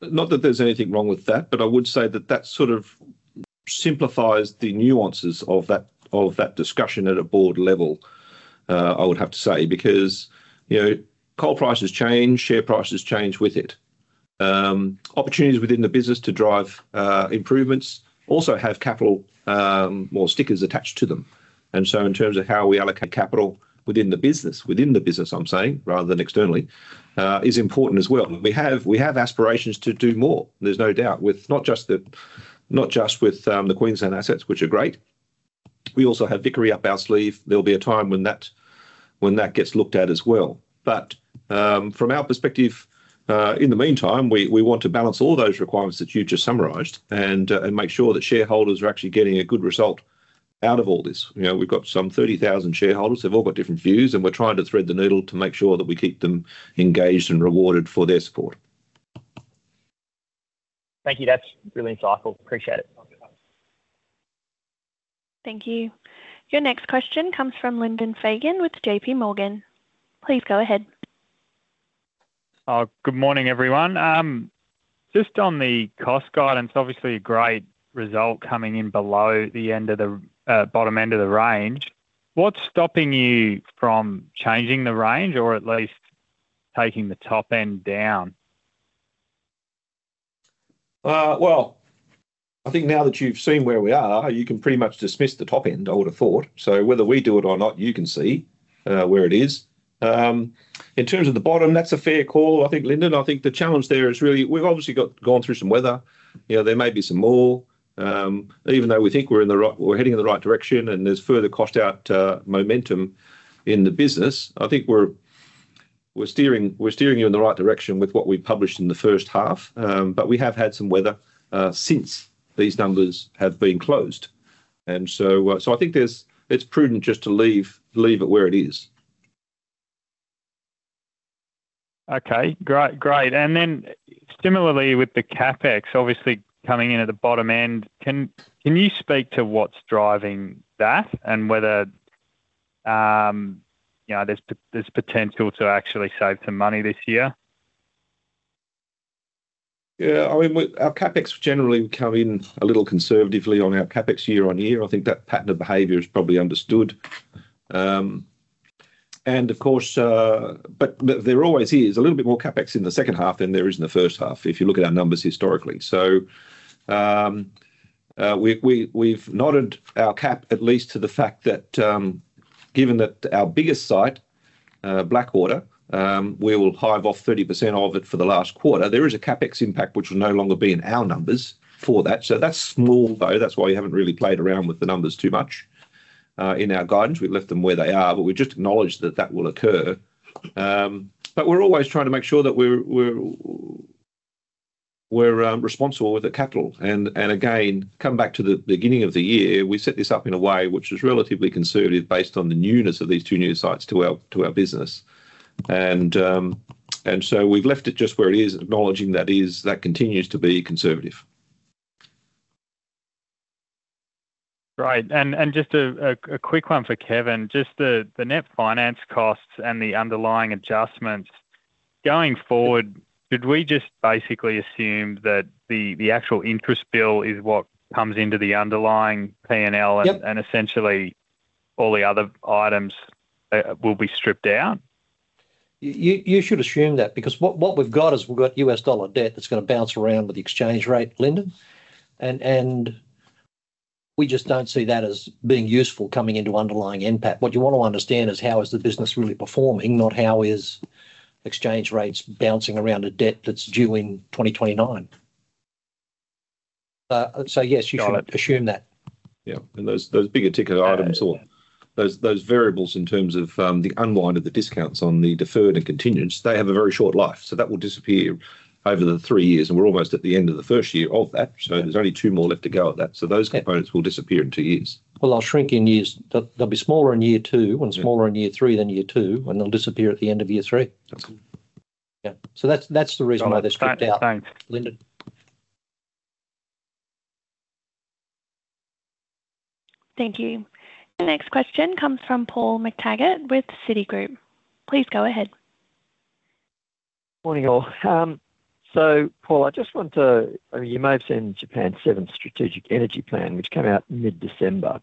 Not that there's anything wrong with that, but I would say that that sort of simplifies the nuances of that discussion at a board level, I would have to say, because coal prices change, share prices change with it. Opportunities within the business to drive improvements also have capital, more strings attached to them. And so in terms of how we allocate capital within the business, within the business, I'm saying, rather than externally, is important as well. We have aspirations to do more. There's no doubt, not just with the Queensland assets, which are great. We also have Vickery up our sleeve. There'll be a time when that gets looked at as well. But from our perspective, in the meantime, we want to balance all those requirements that you just summarized and make sure that shareholders are actually getting a good result out of all this. We've got some 30,000 shareholders. They've all got different views, and we're trying to thread the needle to make sure that we keep them engaged and rewarded for their support. Thank you. That's really insightful. Appreciate it. Thank you. Your next question comes from Lyndon Fagan with JP Morgan. Please go ahead. Good morning, everyone. Just on the cost guidance, obviously, a great result coming in below the end of the bottom end of the range. What's stopping you from changing the range or at least taking the top end down? Well, I think now that you've seen where we are, you can pretty much dismiss the top end, I would have thought. So whether we do it or not, you can see where it is. In terms of the bottom, that's a fair call, I think, Lyndon. I think the challenge there is really we've obviously gone through some weather. There may be some more. Even though we think we're heading in the right direction and there's further cost-out momentum in the business, I think we're steering you in the right direction with what we published in the first half. But we have had some weather since these numbers have been closed. And so I think it's prudent just to leave it where it is. Okay. Great. Great. And then similarly with the CapEx, obviously, coming in at the bottom end, can you speak to what's driving that and whether there's potential to actually save some money this year? Yeah. I mean, our CapEx generally would come in a little conservatively on our CapEx year-on-year. I think that pattern of behavior is probably understood. And of course, but there always is a little bit more CapEx in the second half than there is in the first half if you look at our numbers historically. So we've nodded our cap at least to the fact that given that our biggest site, Blackwater, we will hive off 30% of it for the last quarter. There is a CapEx impact, which will no longer be in our numbers for that. So that's small, though. That's why we haven't really played around with the numbers too much in our guidance. We've left them where they are, but we just acknowledge that that will occur. But we're always trying to make sure that we're responsible with the capital. And again, coming back to the beginning of the year, we set this up in a way which is relatively conservative based on the newness of these two new sites to our business. And so we've left it just where it is, acknowledging that continues to be conservative. Right. And just a quick one for Kevin. Just the net finance costs and the underlying adjustments. Going forward, should we just basically assume that the actual interest bill is what comes into the underlying P&L and essentially all the other items will be stripped out? You should assume that because what we've got is we've got US dollar debt that's going to bounce around with the exchange rate, Lyndon. And we just don't see that as being useful coming into underlying NPAT. What you want to understand is how is the business really performing, not how are exchange rates bouncing around a debt that's due in 2029. So yes, you should assume that. Yeah. And those bigger ticket items or those variables in terms of the unwind of the discounts on the deferred of contingents, they have a very short life. So that will disappear over the three years. And we're almost at the end of the first year of that. So there's only two more left to go at that. So those components will disappear in two years. Well, they'll shrink in years. They'll be smaller in year two and smaller in year three than year two, and they'll disappear at the end of year three. Yeah. So that's the reason why they're stripped out, Lyndon. Thank you. Your next question comes from Paul McTaggart with Citigroup. Please go ahead. Morning, all. So Paul, I just want to, I mean, you may have seen Japan's Seventh Strategic Energy Plan, which came out mid-December.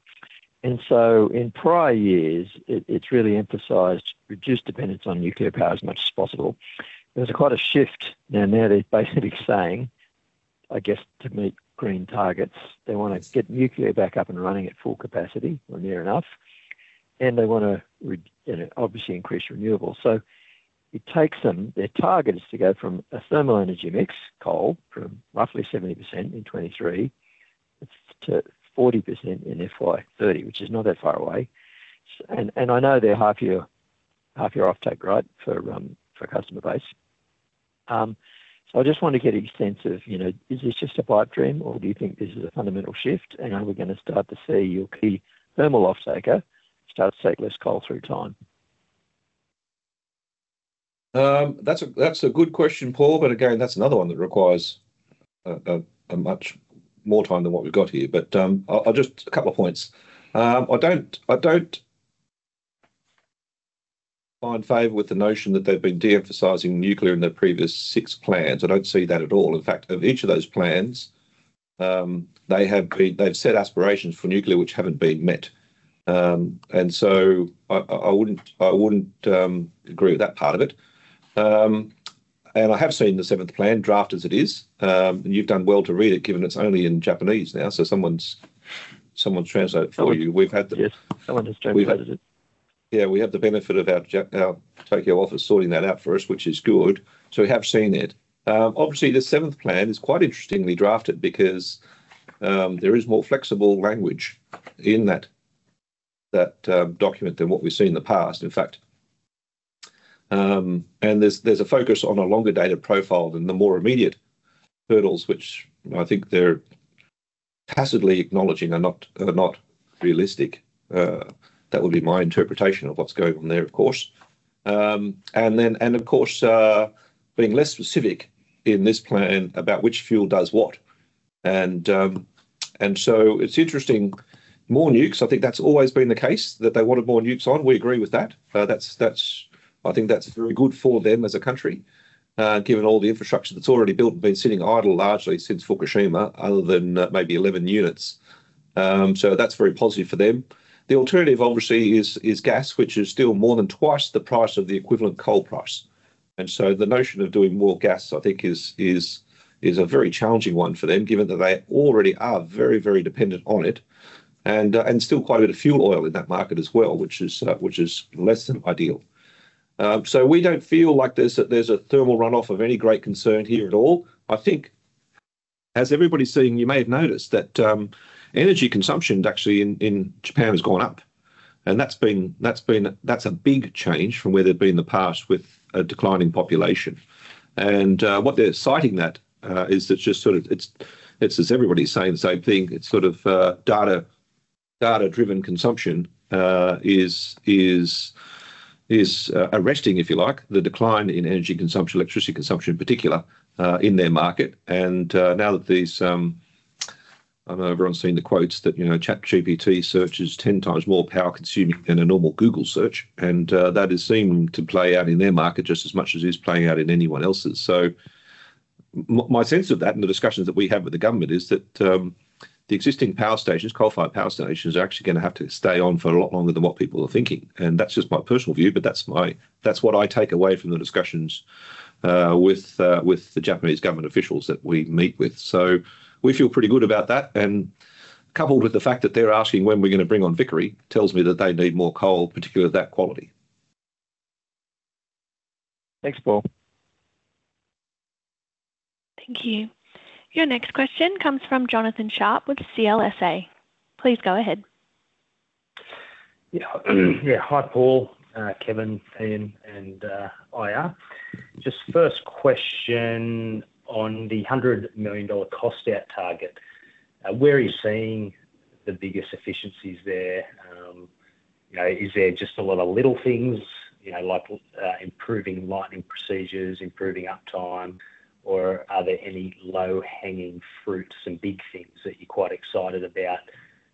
And so in prior years, it's really emphasized reduced dependence on nuclear power as much as possible. There's quite a shift. And now they're basically saying, I guess, to meet green targets, they want to get nuclear back up and running at full capacity or near enough. And they want to obviously increase renewables. So it takes them. Their target is to go from a thermal energy mix, coal, from roughly 70% in 2023 to 40% in FY 2030, which is not that far away. And I know they're half-year offtake, right, for customer base. So I just want to get a sense of, is this just a pipe dream, or do you think this is a fundamental shift? And are we going to start to see your key thermal offtaker start to take less coal through time? That's a good question, Paul. But again, that's another one that requires much more time than what we've got here. But just a couple of points. I don't find favor with the notion that they've been de-emphasizing nuclear in their previous six plans. I don't see that at all. In fact, of each of those plans, they've set aspirations for nuclear which haven't been met. And so I wouldn't agree with that part of it. And I have seen the seventh plan draft as it is. And you've done well to read it, given it's only in Japanese now. So someone's translated it for you. We've had the. Yes. Someone just translated it. Yeah. We have the benefit of our Tokyo office sorting that out for us, which is good. So we have seen it. Obviously, the seventh plan is quite interestingly drafted because there is more flexible language in that document than what we've seen in the past, in fact. And there's a focus on a longer-dated profile than the more immediate hurdles, which I think they're tacitly acknowledging are not realistic. That would be my interpretation of what's going on there, of course. And of course, being less specific in this plan about which fuel does what. And so it's interesting, more nukes. I think that's always been the case, that they wanted more nukes on. We agree with that. I think that's very good for them as a country, given all the infrastructure that's already built and been sitting idle largely since Fukushima, other than maybe 11 units. So that's very positive for them. The alternative, obviously, is gas, which is still more than twice the price of the equivalent coal price. And so the notion of doing more gas, I think, is a very challenging one for them, given that they already are very, very dependent on it. And still quite a bit of fuel oil in that market as well, which is less than ideal. So we don't feel like there's a thermal runoff of any great concern here at all. I think, as everybody's seen, you may have noticed that energy consumption actually in Japan has gone up. That's been a big change from where they've been in the past with a declining population. What they're citing, that is, that just sort of it's as everybody's saying the same thing. It's sort of data-driven consumption is arresting, if you like, the decline in energy consumption, electricity consumption in particular, in their market. Now that these, I don't know if everyone's seen the quotes that ChatGPT search is 10 times more power-consuming than a normal Google search. That is seen to play out in their market just as much as it is playing out in anyone else's. My sense of that and the discussions that we have with the government is that the existing power stations, coal-fired power stations, are actually going to have to stay on for a lot longer than what people are thinking. That's just my personal view, but that's what I take away from the discussions with the Japanese government officials that we meet with. So we feel pretty good about that. And coupled with the fact that they're asking when we're going to bring on Vickery, tells me that they need more coal, particularly of that quality. Thanks, Paul. Thank you. Your next question comes from Jonathan Sharp with CLSA. Please go ahead. Yeah. Hi, Paul, Kevin, Lyndon, and Ian. Just first question on the 100 million dollar cost-out target. Where are you seeing the biggest efficiencies there? Is there just a lot of little things, like improving lightning procedures, improving uptime? Or are there any low-hanging fruits and big things that you're quite excited about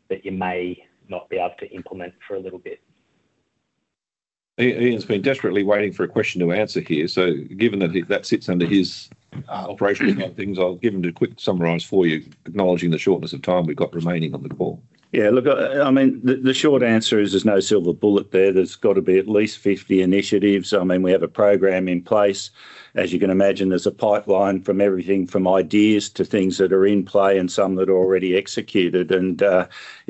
that you may not be able to implement for a little bit? He has been desperately waiting for a question to answer here. So given that that sits under his operational kind of things, I'll give him to quickly summarize for you, acknowledging the shortness of time we've got remaining on the call. Yeah. Look, I mean, the short answer is there's no silver bullet there. There's got to be at least 50 initiatives. I mean, we have a program in place. As you can imagine, there's a pipeline from everything, from ideas to things that are in play and some that are already executed.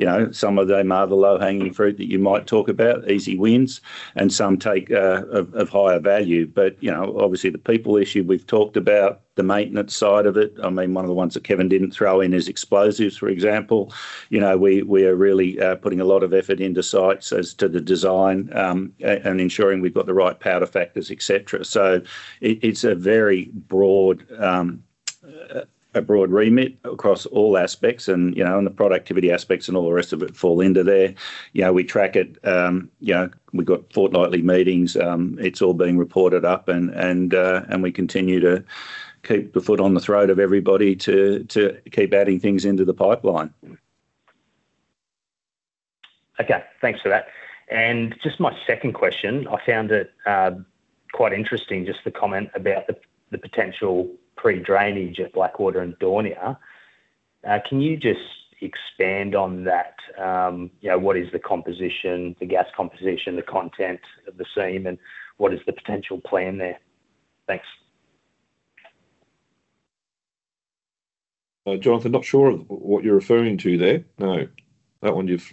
And some of them are the low-hanging fruit that you might talk about, easy wins, and some take of higher value. But obviously, the people issue, we've talked about the maintenance side of it. I mean, one of the ones that Kevin didn't throw in is explosives, for example. We are really putting a lot of effort into sites as to the design and ensuring we've got the right power factors, etc. So it's a very broad remit across all aspects. And the productivity aspects and all the rest of it fall into there. We track it. We've got fortnightly meetings. It's all being reported up. And we continue to keep the foot on the throat of everybody to keep adding things into the pipeline. Okay. Thanks for that. And just my second question. I found it quite interesting, just the comment about the potential pre-drainage at Blackwater and Daunia. Can you just expand on that? What is the composition, the gas composition, the content of the seam, and what is the potential plan there? Thanks. Jonathan, not sure of what you're referring to there. No. That one you've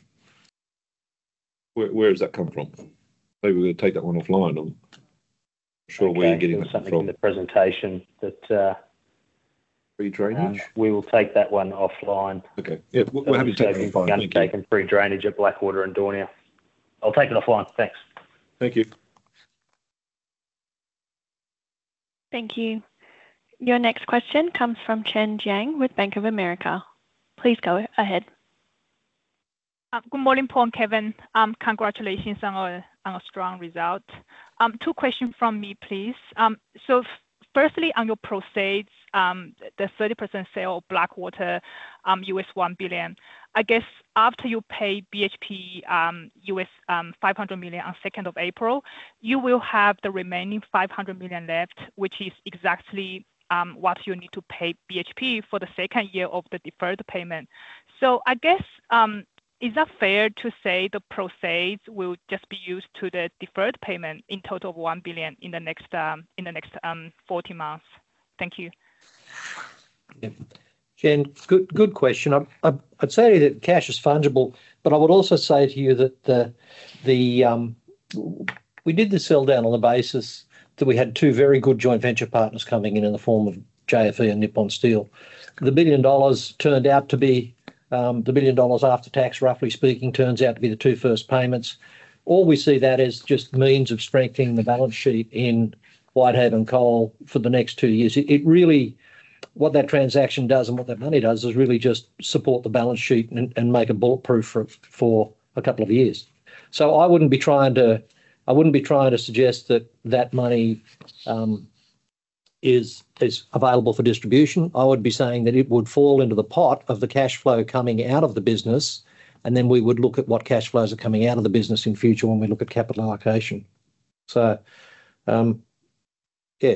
where has that come from? Maybe we're going to take that one offline. I'm not sure where you're getting that from. Something in the presentation that— Pre-drainage? We will take that one offline. Okay. Yeah. We're happy to take it offline. We're going to be taking pre-drainage at Blackwater and Daunia. I'll take it offline. Thanks. Thank you. Thank you. Your next question comes from Chen Jiang with Bank of America. Please go ahead. Good morning, Paul and Kevin. Congratulations on a strong result. Two questions from me, please. So firstly, on your proceeds, the 30% sale of Blackwater, $1 billion. I guess after you pay BHP $500 million on April 2nd, you will have the remaining $500 million left, which is exactly what you need to pay BHP for the second year of the deferred payment. So, I guess, is that fair to say the proceeds will just be used for the deferred payment in total of 1 billion in the next 40 months? Thank you. Yeah. Chen, good question. I'd say that cash is fungible. But I would also say to you that we did the sell down on the basis that we had two very good joint venture partners coming in in the form of JFE and Nippon Steel. The billion dollars turned out to be the billion dollars after tax, roughly speaking, turns out to be the two first payments. Or we see that as just means of strengthening the balance sheet in Whitehaven Coal for the next two years. What that transaction does and what that money does is really just support the balance sheet and make it bulletproof for a couple of years. So I wouldn't be trying to suggest that that money is available for distribution. I would be saying that it would fall into the pot of the cash flow coming out of the business, and then we would look at what cash flows are coming out of the business in future when we look at capital allocation. So yeah.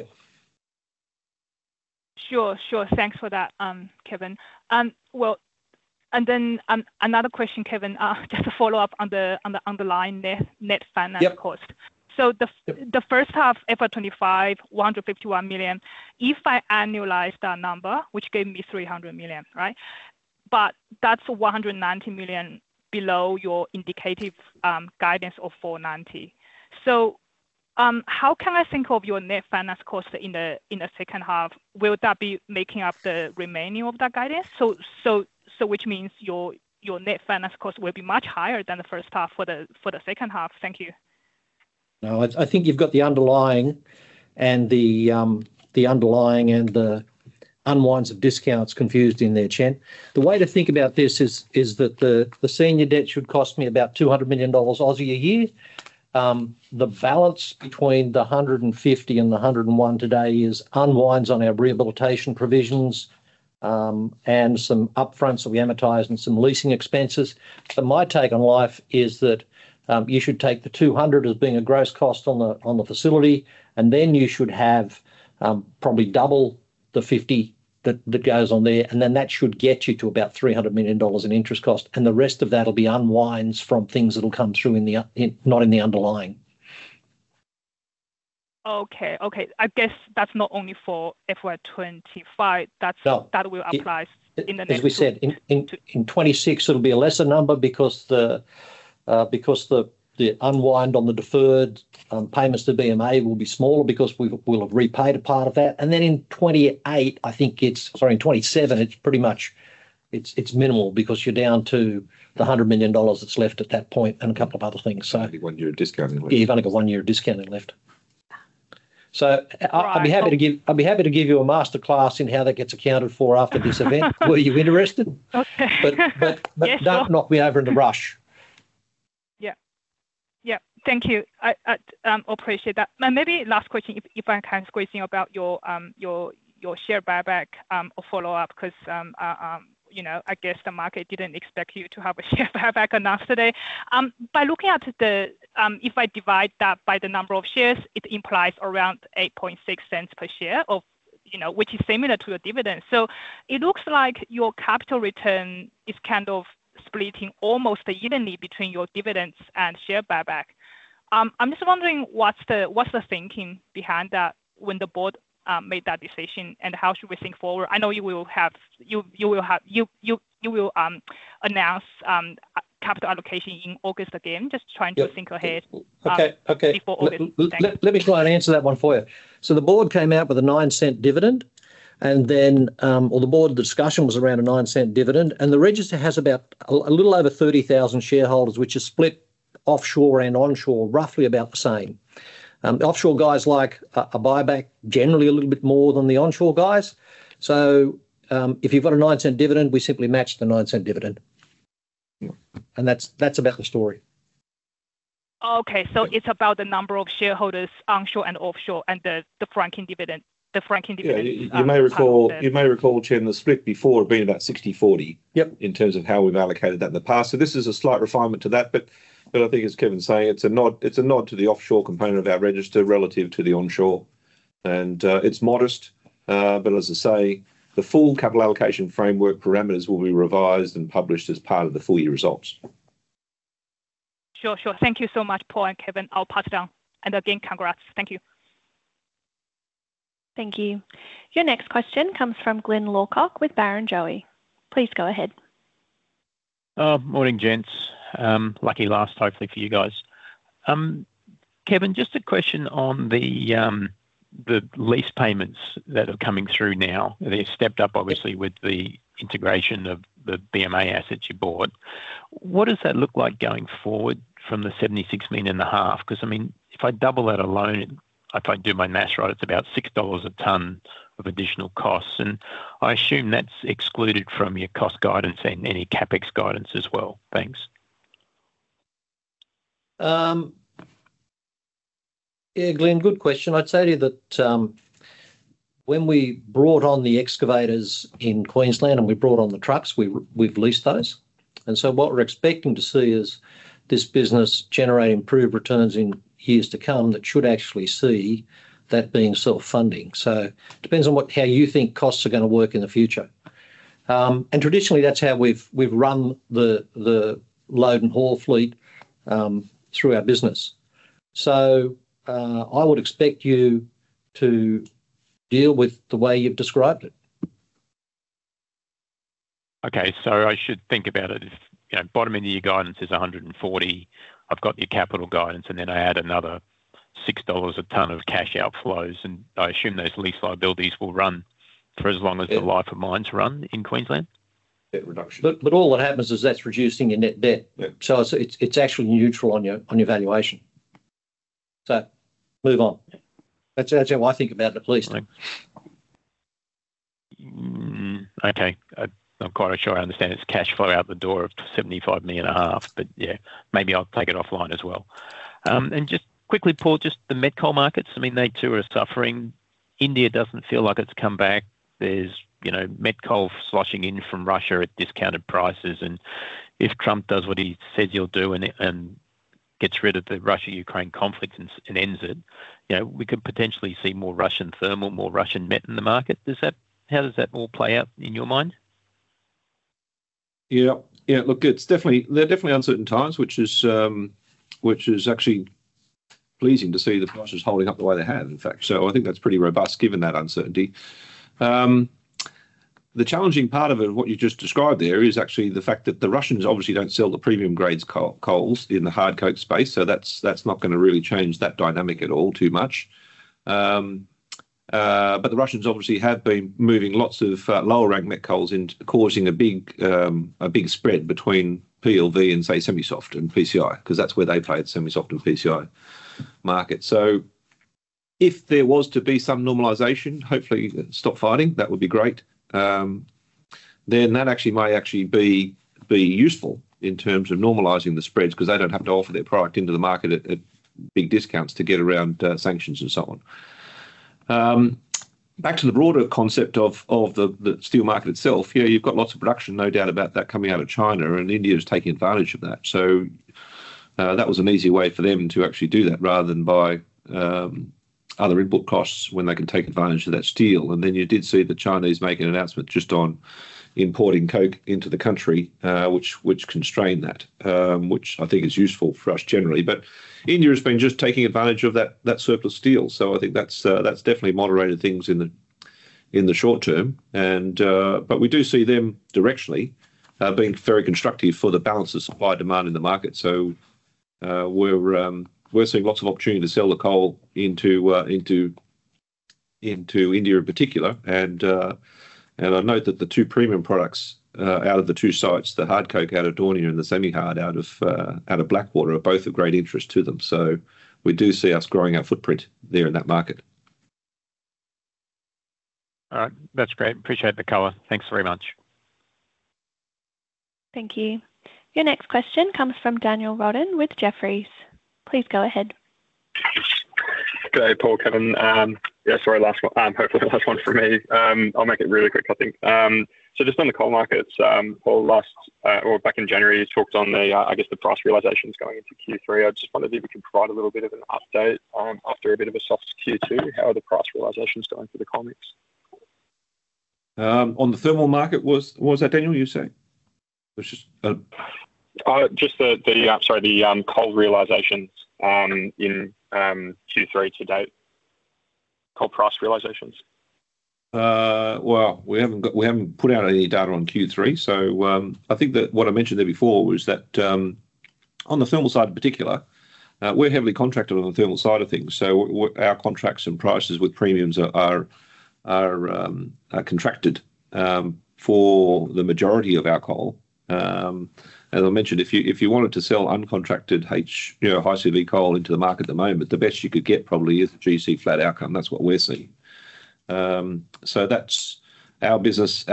Sure. Sure. Thanks for that, Kevin. Well, and then another question, Kevin, just a follow-up on the line net finance cost. So the first half, FY 25, 151 million. If I annualize that number, which gave me 300 million, right? But that's 190 million below your indicative guidance of 490 million. So how can I think of your net finance cost in the second half? Will that be making up the remaining of that guidance? So which means your net finance cost will be much higher than the first half for the second half. Thank you. No. I think you've got the underlying and the underlying and the unwinds of discounts confused in there, Chen. The way to think about this is that the senior debt should cost me about 200 million Aussie dollars a year. The balance between the 150 and the 101 today is unwinds on our rehabilitation provisions and some upfronts that we amortize and some leasing expenses. But my take on life is that you should take the 200 as being a gross cost on the facility, and then you should have probably double the 50 that goes on there. And then that should get you to about 300 million dollars in interest cost. And the rest of that will be unwinds from things that will come through, not in the underlying. Okay. Okay. I guess that's not only for FY 2025. That will apply in the next year. As we said, in 2026, it'll be a lesser number because the unwind on the deferred payments to BMA will be smaller because we'll have repaid a part of that. And then in 2028, I think it's, sorry, in 2027, it's pretty much minimal because you're down to the 100 million dollars that's left at that point and a couple of other things, so. You've got one year of discounting left. You've only got one year of discounting left. So I'd be happy to give you a masterclass in how that gets accounted for after this event. Were you interested? But don't knock me over in a rush. Yeah. Yeah. Thank you. I appreciate that. And maybe last question, if I can squeeze in about your share buyback or follow-up, because I guess the market didn't expect you to have a share buyback announced today. By looking at the - if I divide that by the number of shares, it implies around 0.086 per share, which is similar to your dividends. So it looks like your capital return is kind of splitting almost evenly between your dividends and share buyback. I'm just wondering what's the thinking behind that when the board made that decision, and how should we think forward? I know you will have - you will announce capital allocation in August again, just trying to think ahead before August. Let me try and answer that one for you. So the board came out with a 0.09 dividend, and then - or the board discussion was around a 0.09 dividend. And the register has about a little over 30,000 shareholders, which is split offshore and onshore roughly about the same. Offshore guys like a buyback generally a little bit more than the onshore guys. So if you've got a 0.09 dividend, we simply match the 0.09 dividend. And that's about the story. Okay. So it's about the number of shareholders onshore and offshore and the franked dividend. The franked dividend. You may recall, Chen, the split before being about 60/40 in terms of how we've allocated that in the past. So this is a slight refinement to that. But I think, as Kevin's saying, it's a nod to the offshore component of our register relative to the onshore. And it's modest. But as I say, the full capital allocation framework parameters will be revised and published as part of the full year results. Sure. Sure. Thank you so much, Paul and Kevin. I'll pass it down, and again, congrats. Thank you. Thank you. Your next question comes from Glyn Lawcock with Barrenjoey. Please go ahead. Morning, gents. Lucky last, hopefully, for you guys. Kevin, just a question on the lease payments that are coming through now. They've stepped up, obviously, with the integration of the BMA assets you bought. What does that look like going forward from 76.5 million? Because, I mean, if I double that alone, if I do my math right, it's about 6 dollars a ton of additional costs. And I assume that's excluded from your cost guidance and any CapEx guidance as well. Thanks. Yeah, Glyn, good question. I'd say to you that when we brought on the excavators in Queensland and we brought on the trucks, we've leased those. And so what we're expecting to see is this business generate improved returns in years to come that should actually see that being self-funding. So it depends on how you think costs are going to work in the future. And traditionally, that's how we've run the load and haul fleet through our business. So I would expect you to deal with the way you've described it. Okay. So I should think about it. Bottom of the year guidance is 140. I've got your capital guidance, and then I add another 6 dollars a ton of cash outflows. And I assume those lease liabilities will run for as long as the life of mines run in Queensland. Debt reduction. But all that happens is that's reducing your net debt. So it's actually neutral on your valuation. So move on. That's how I think about it, at least. Okay. I'm quite sure I understand it's cash flow out the door of 75.5 million. But yeah, maybe I'll take it offline as well. And just quickly, Paul, just the met coal markets. I mean, they too are suffering. India doesn't feel like it's come back. There's met coal sloshing in from Russia at discounted prices. And if Trump does what he says he'll do and gets rid of the Russia-Ukraine conflict and ends it, we could potentially see more Russian thermal, more Russian met in the market. How does that all play out in your mind? Yeah. Yeah. Look, it's definitely uncertain times, which is actually pleasing to see the prices holding up the way they have, in fact. So I think that's pretty robust given that uncertainty. The challenging part of it, what you just described there, is actually the fact that the Russians obviously don't sell the premium-grade coals in the hard coking space. So that's not going to really change that dynamic at all too much. But the Russians obviously have been moving lots of lower-ranked met coal in, causing a big spread between PLV and, say, semi-soft and PCI, because that's where they play at the semi-soft and PCI market. So if there was to be some normalization, hopefully stop fighting, that would be great. Then that actually might be useful in terms of normalizing the spreads because they don't have to offer their product into the market at big discounts to get around sanctions and so on. Back to the broader concept of the steel market itself. Yeah, you've got lots of production, no doubt about that, coming out of China. And India is taking advantage of that. So that was an easy way for them to actually do that rather than buy other input costs when they can take advantage of that steel. And then you did see the Chinese make an announcement just on importing coke into the country, which constrained that, which I think is useful for us generally. But India has been just taking advantage of that surplus steel. So I think that's definitely moderated things in the short term. But we do see them directionally being very constructive for the balance of supply and demand in the market. So we're seeing lots of opportunity to sell the coal into India in particular. And I note that the two premium products out of the two sites, the hard coke out of Daunia and the semi-hard out of Blackwater, are both of great interest to them. So we do see us growing our footprint there in that market. All right. That's great. Appreciate the color. Thanks very much. Thank you. Your next question comes from Daniel Roden with Jefferies. Please go ahead. Okay, Paul, Kevin. Yeah, sorry, last one. Hopefully, the last one for me. I'll make it really quick, I think. So just on the coal markets, Paul, back in January, he talked on, I guess, the price realizations going into Q3. I just wondered if you could provide a little bit of an update after a bit of a soft Q2. How are the price realizations going for the coal mix? On the thermal market, was that Daniel, you say? It was just the, sorry, the coal realizations in Q3 to date. Coal price realizations. Well, we haven't put out any data on Q3. So I think that what I mentioned there before was that on the thermal side in particular, we're heavily contracted on the thermal side of things. So our contracts and prices with premiums are contracted for the majority of our coal. As I mentioned, if you wanted to sell uncontracted high CV coal into the market at the moment, the best you could get probably is GC flat outcome. That's what we're seeing. So that's our business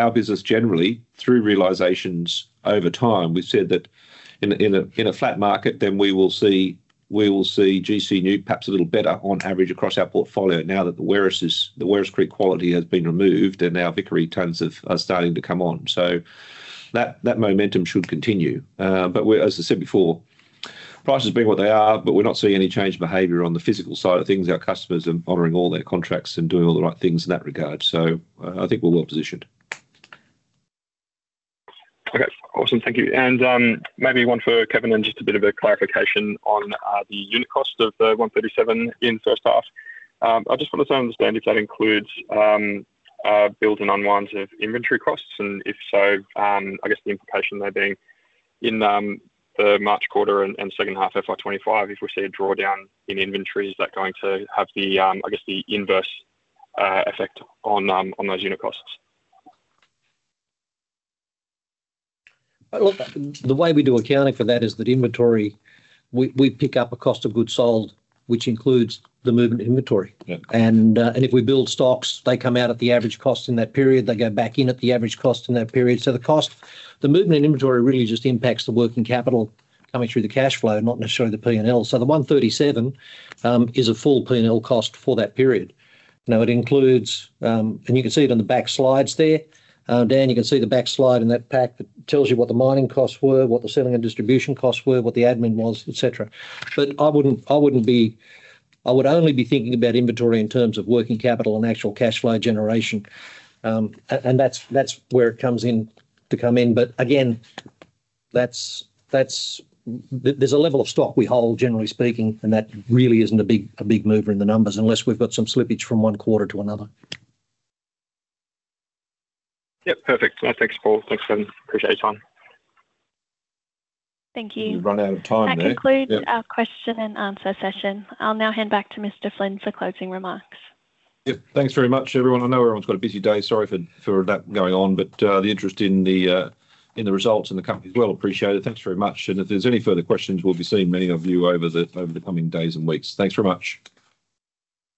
generally through realizations over time. We said that in a flat market, then we will see GC NEWC, perhaps a little better on average across our portfolio now that the Werris Creek quality has been removed and our Vickery tons are starting to come on. So that momentum should continue. But as I said before, prices being what they are, but we're not seeing any change in behavior on the physical side of things. Our customers are honoring all their contracts and doing all the right things in that regard. So I think we're well positioned. Okay. Awesome. Thank you. And maybe one for Kevin and just a bit of a clarification on the unit cost of 137 in first half. I just want to understand if that includes build and unwinds of inventory costs. And if so, I guess the implication there being in the March quarter and second half FY25, if we see a drawdown in inventory, is that going to have, I guess, the inverse effect on those unit costs? Look, the way we do accounting for that is that inventory, we pick up a cost of goods sold, which includes the movement inventory. If we build stocks, they come out at the average cost in that period. They go back in at the average cost in that period. The movement in inventory really just impacts the working capital coming through the cash flow, not necessarily the P&L. The 137 is a full P&L cost for that period. Now, it includes, and you can see it on the back slides there. Dan, you can see the back slide in that pack that tells you what the mining costs were, what the selling and distribution costs were, what the admin was, etc. But I wouldn't be. I would only be thinking about inventory in terms of working capital and actual cash flow generation. That's where it comes in to come in. But again, there's a level of stock we hold, generally speaking, and that really isn't a big mover in the numbers unless we've got some slippage from one quarter to another. Yep. Perfect. Thanks, Paul. Thanks, Kevin. Appreciate your time. Thank you. We've run out of time there. That concludes our question and answer session. I'll now hand back to Mr. Flynn for closing remarks. Yep. Thanks very much, everyone. I know everyone's got a busy day. Sorry for that going on. But the interest in the results and the company as well, appreciated. Thanks very much. And if there's any further questions, we'll be seeing many of you over the coming days and weeks. Thanks very much.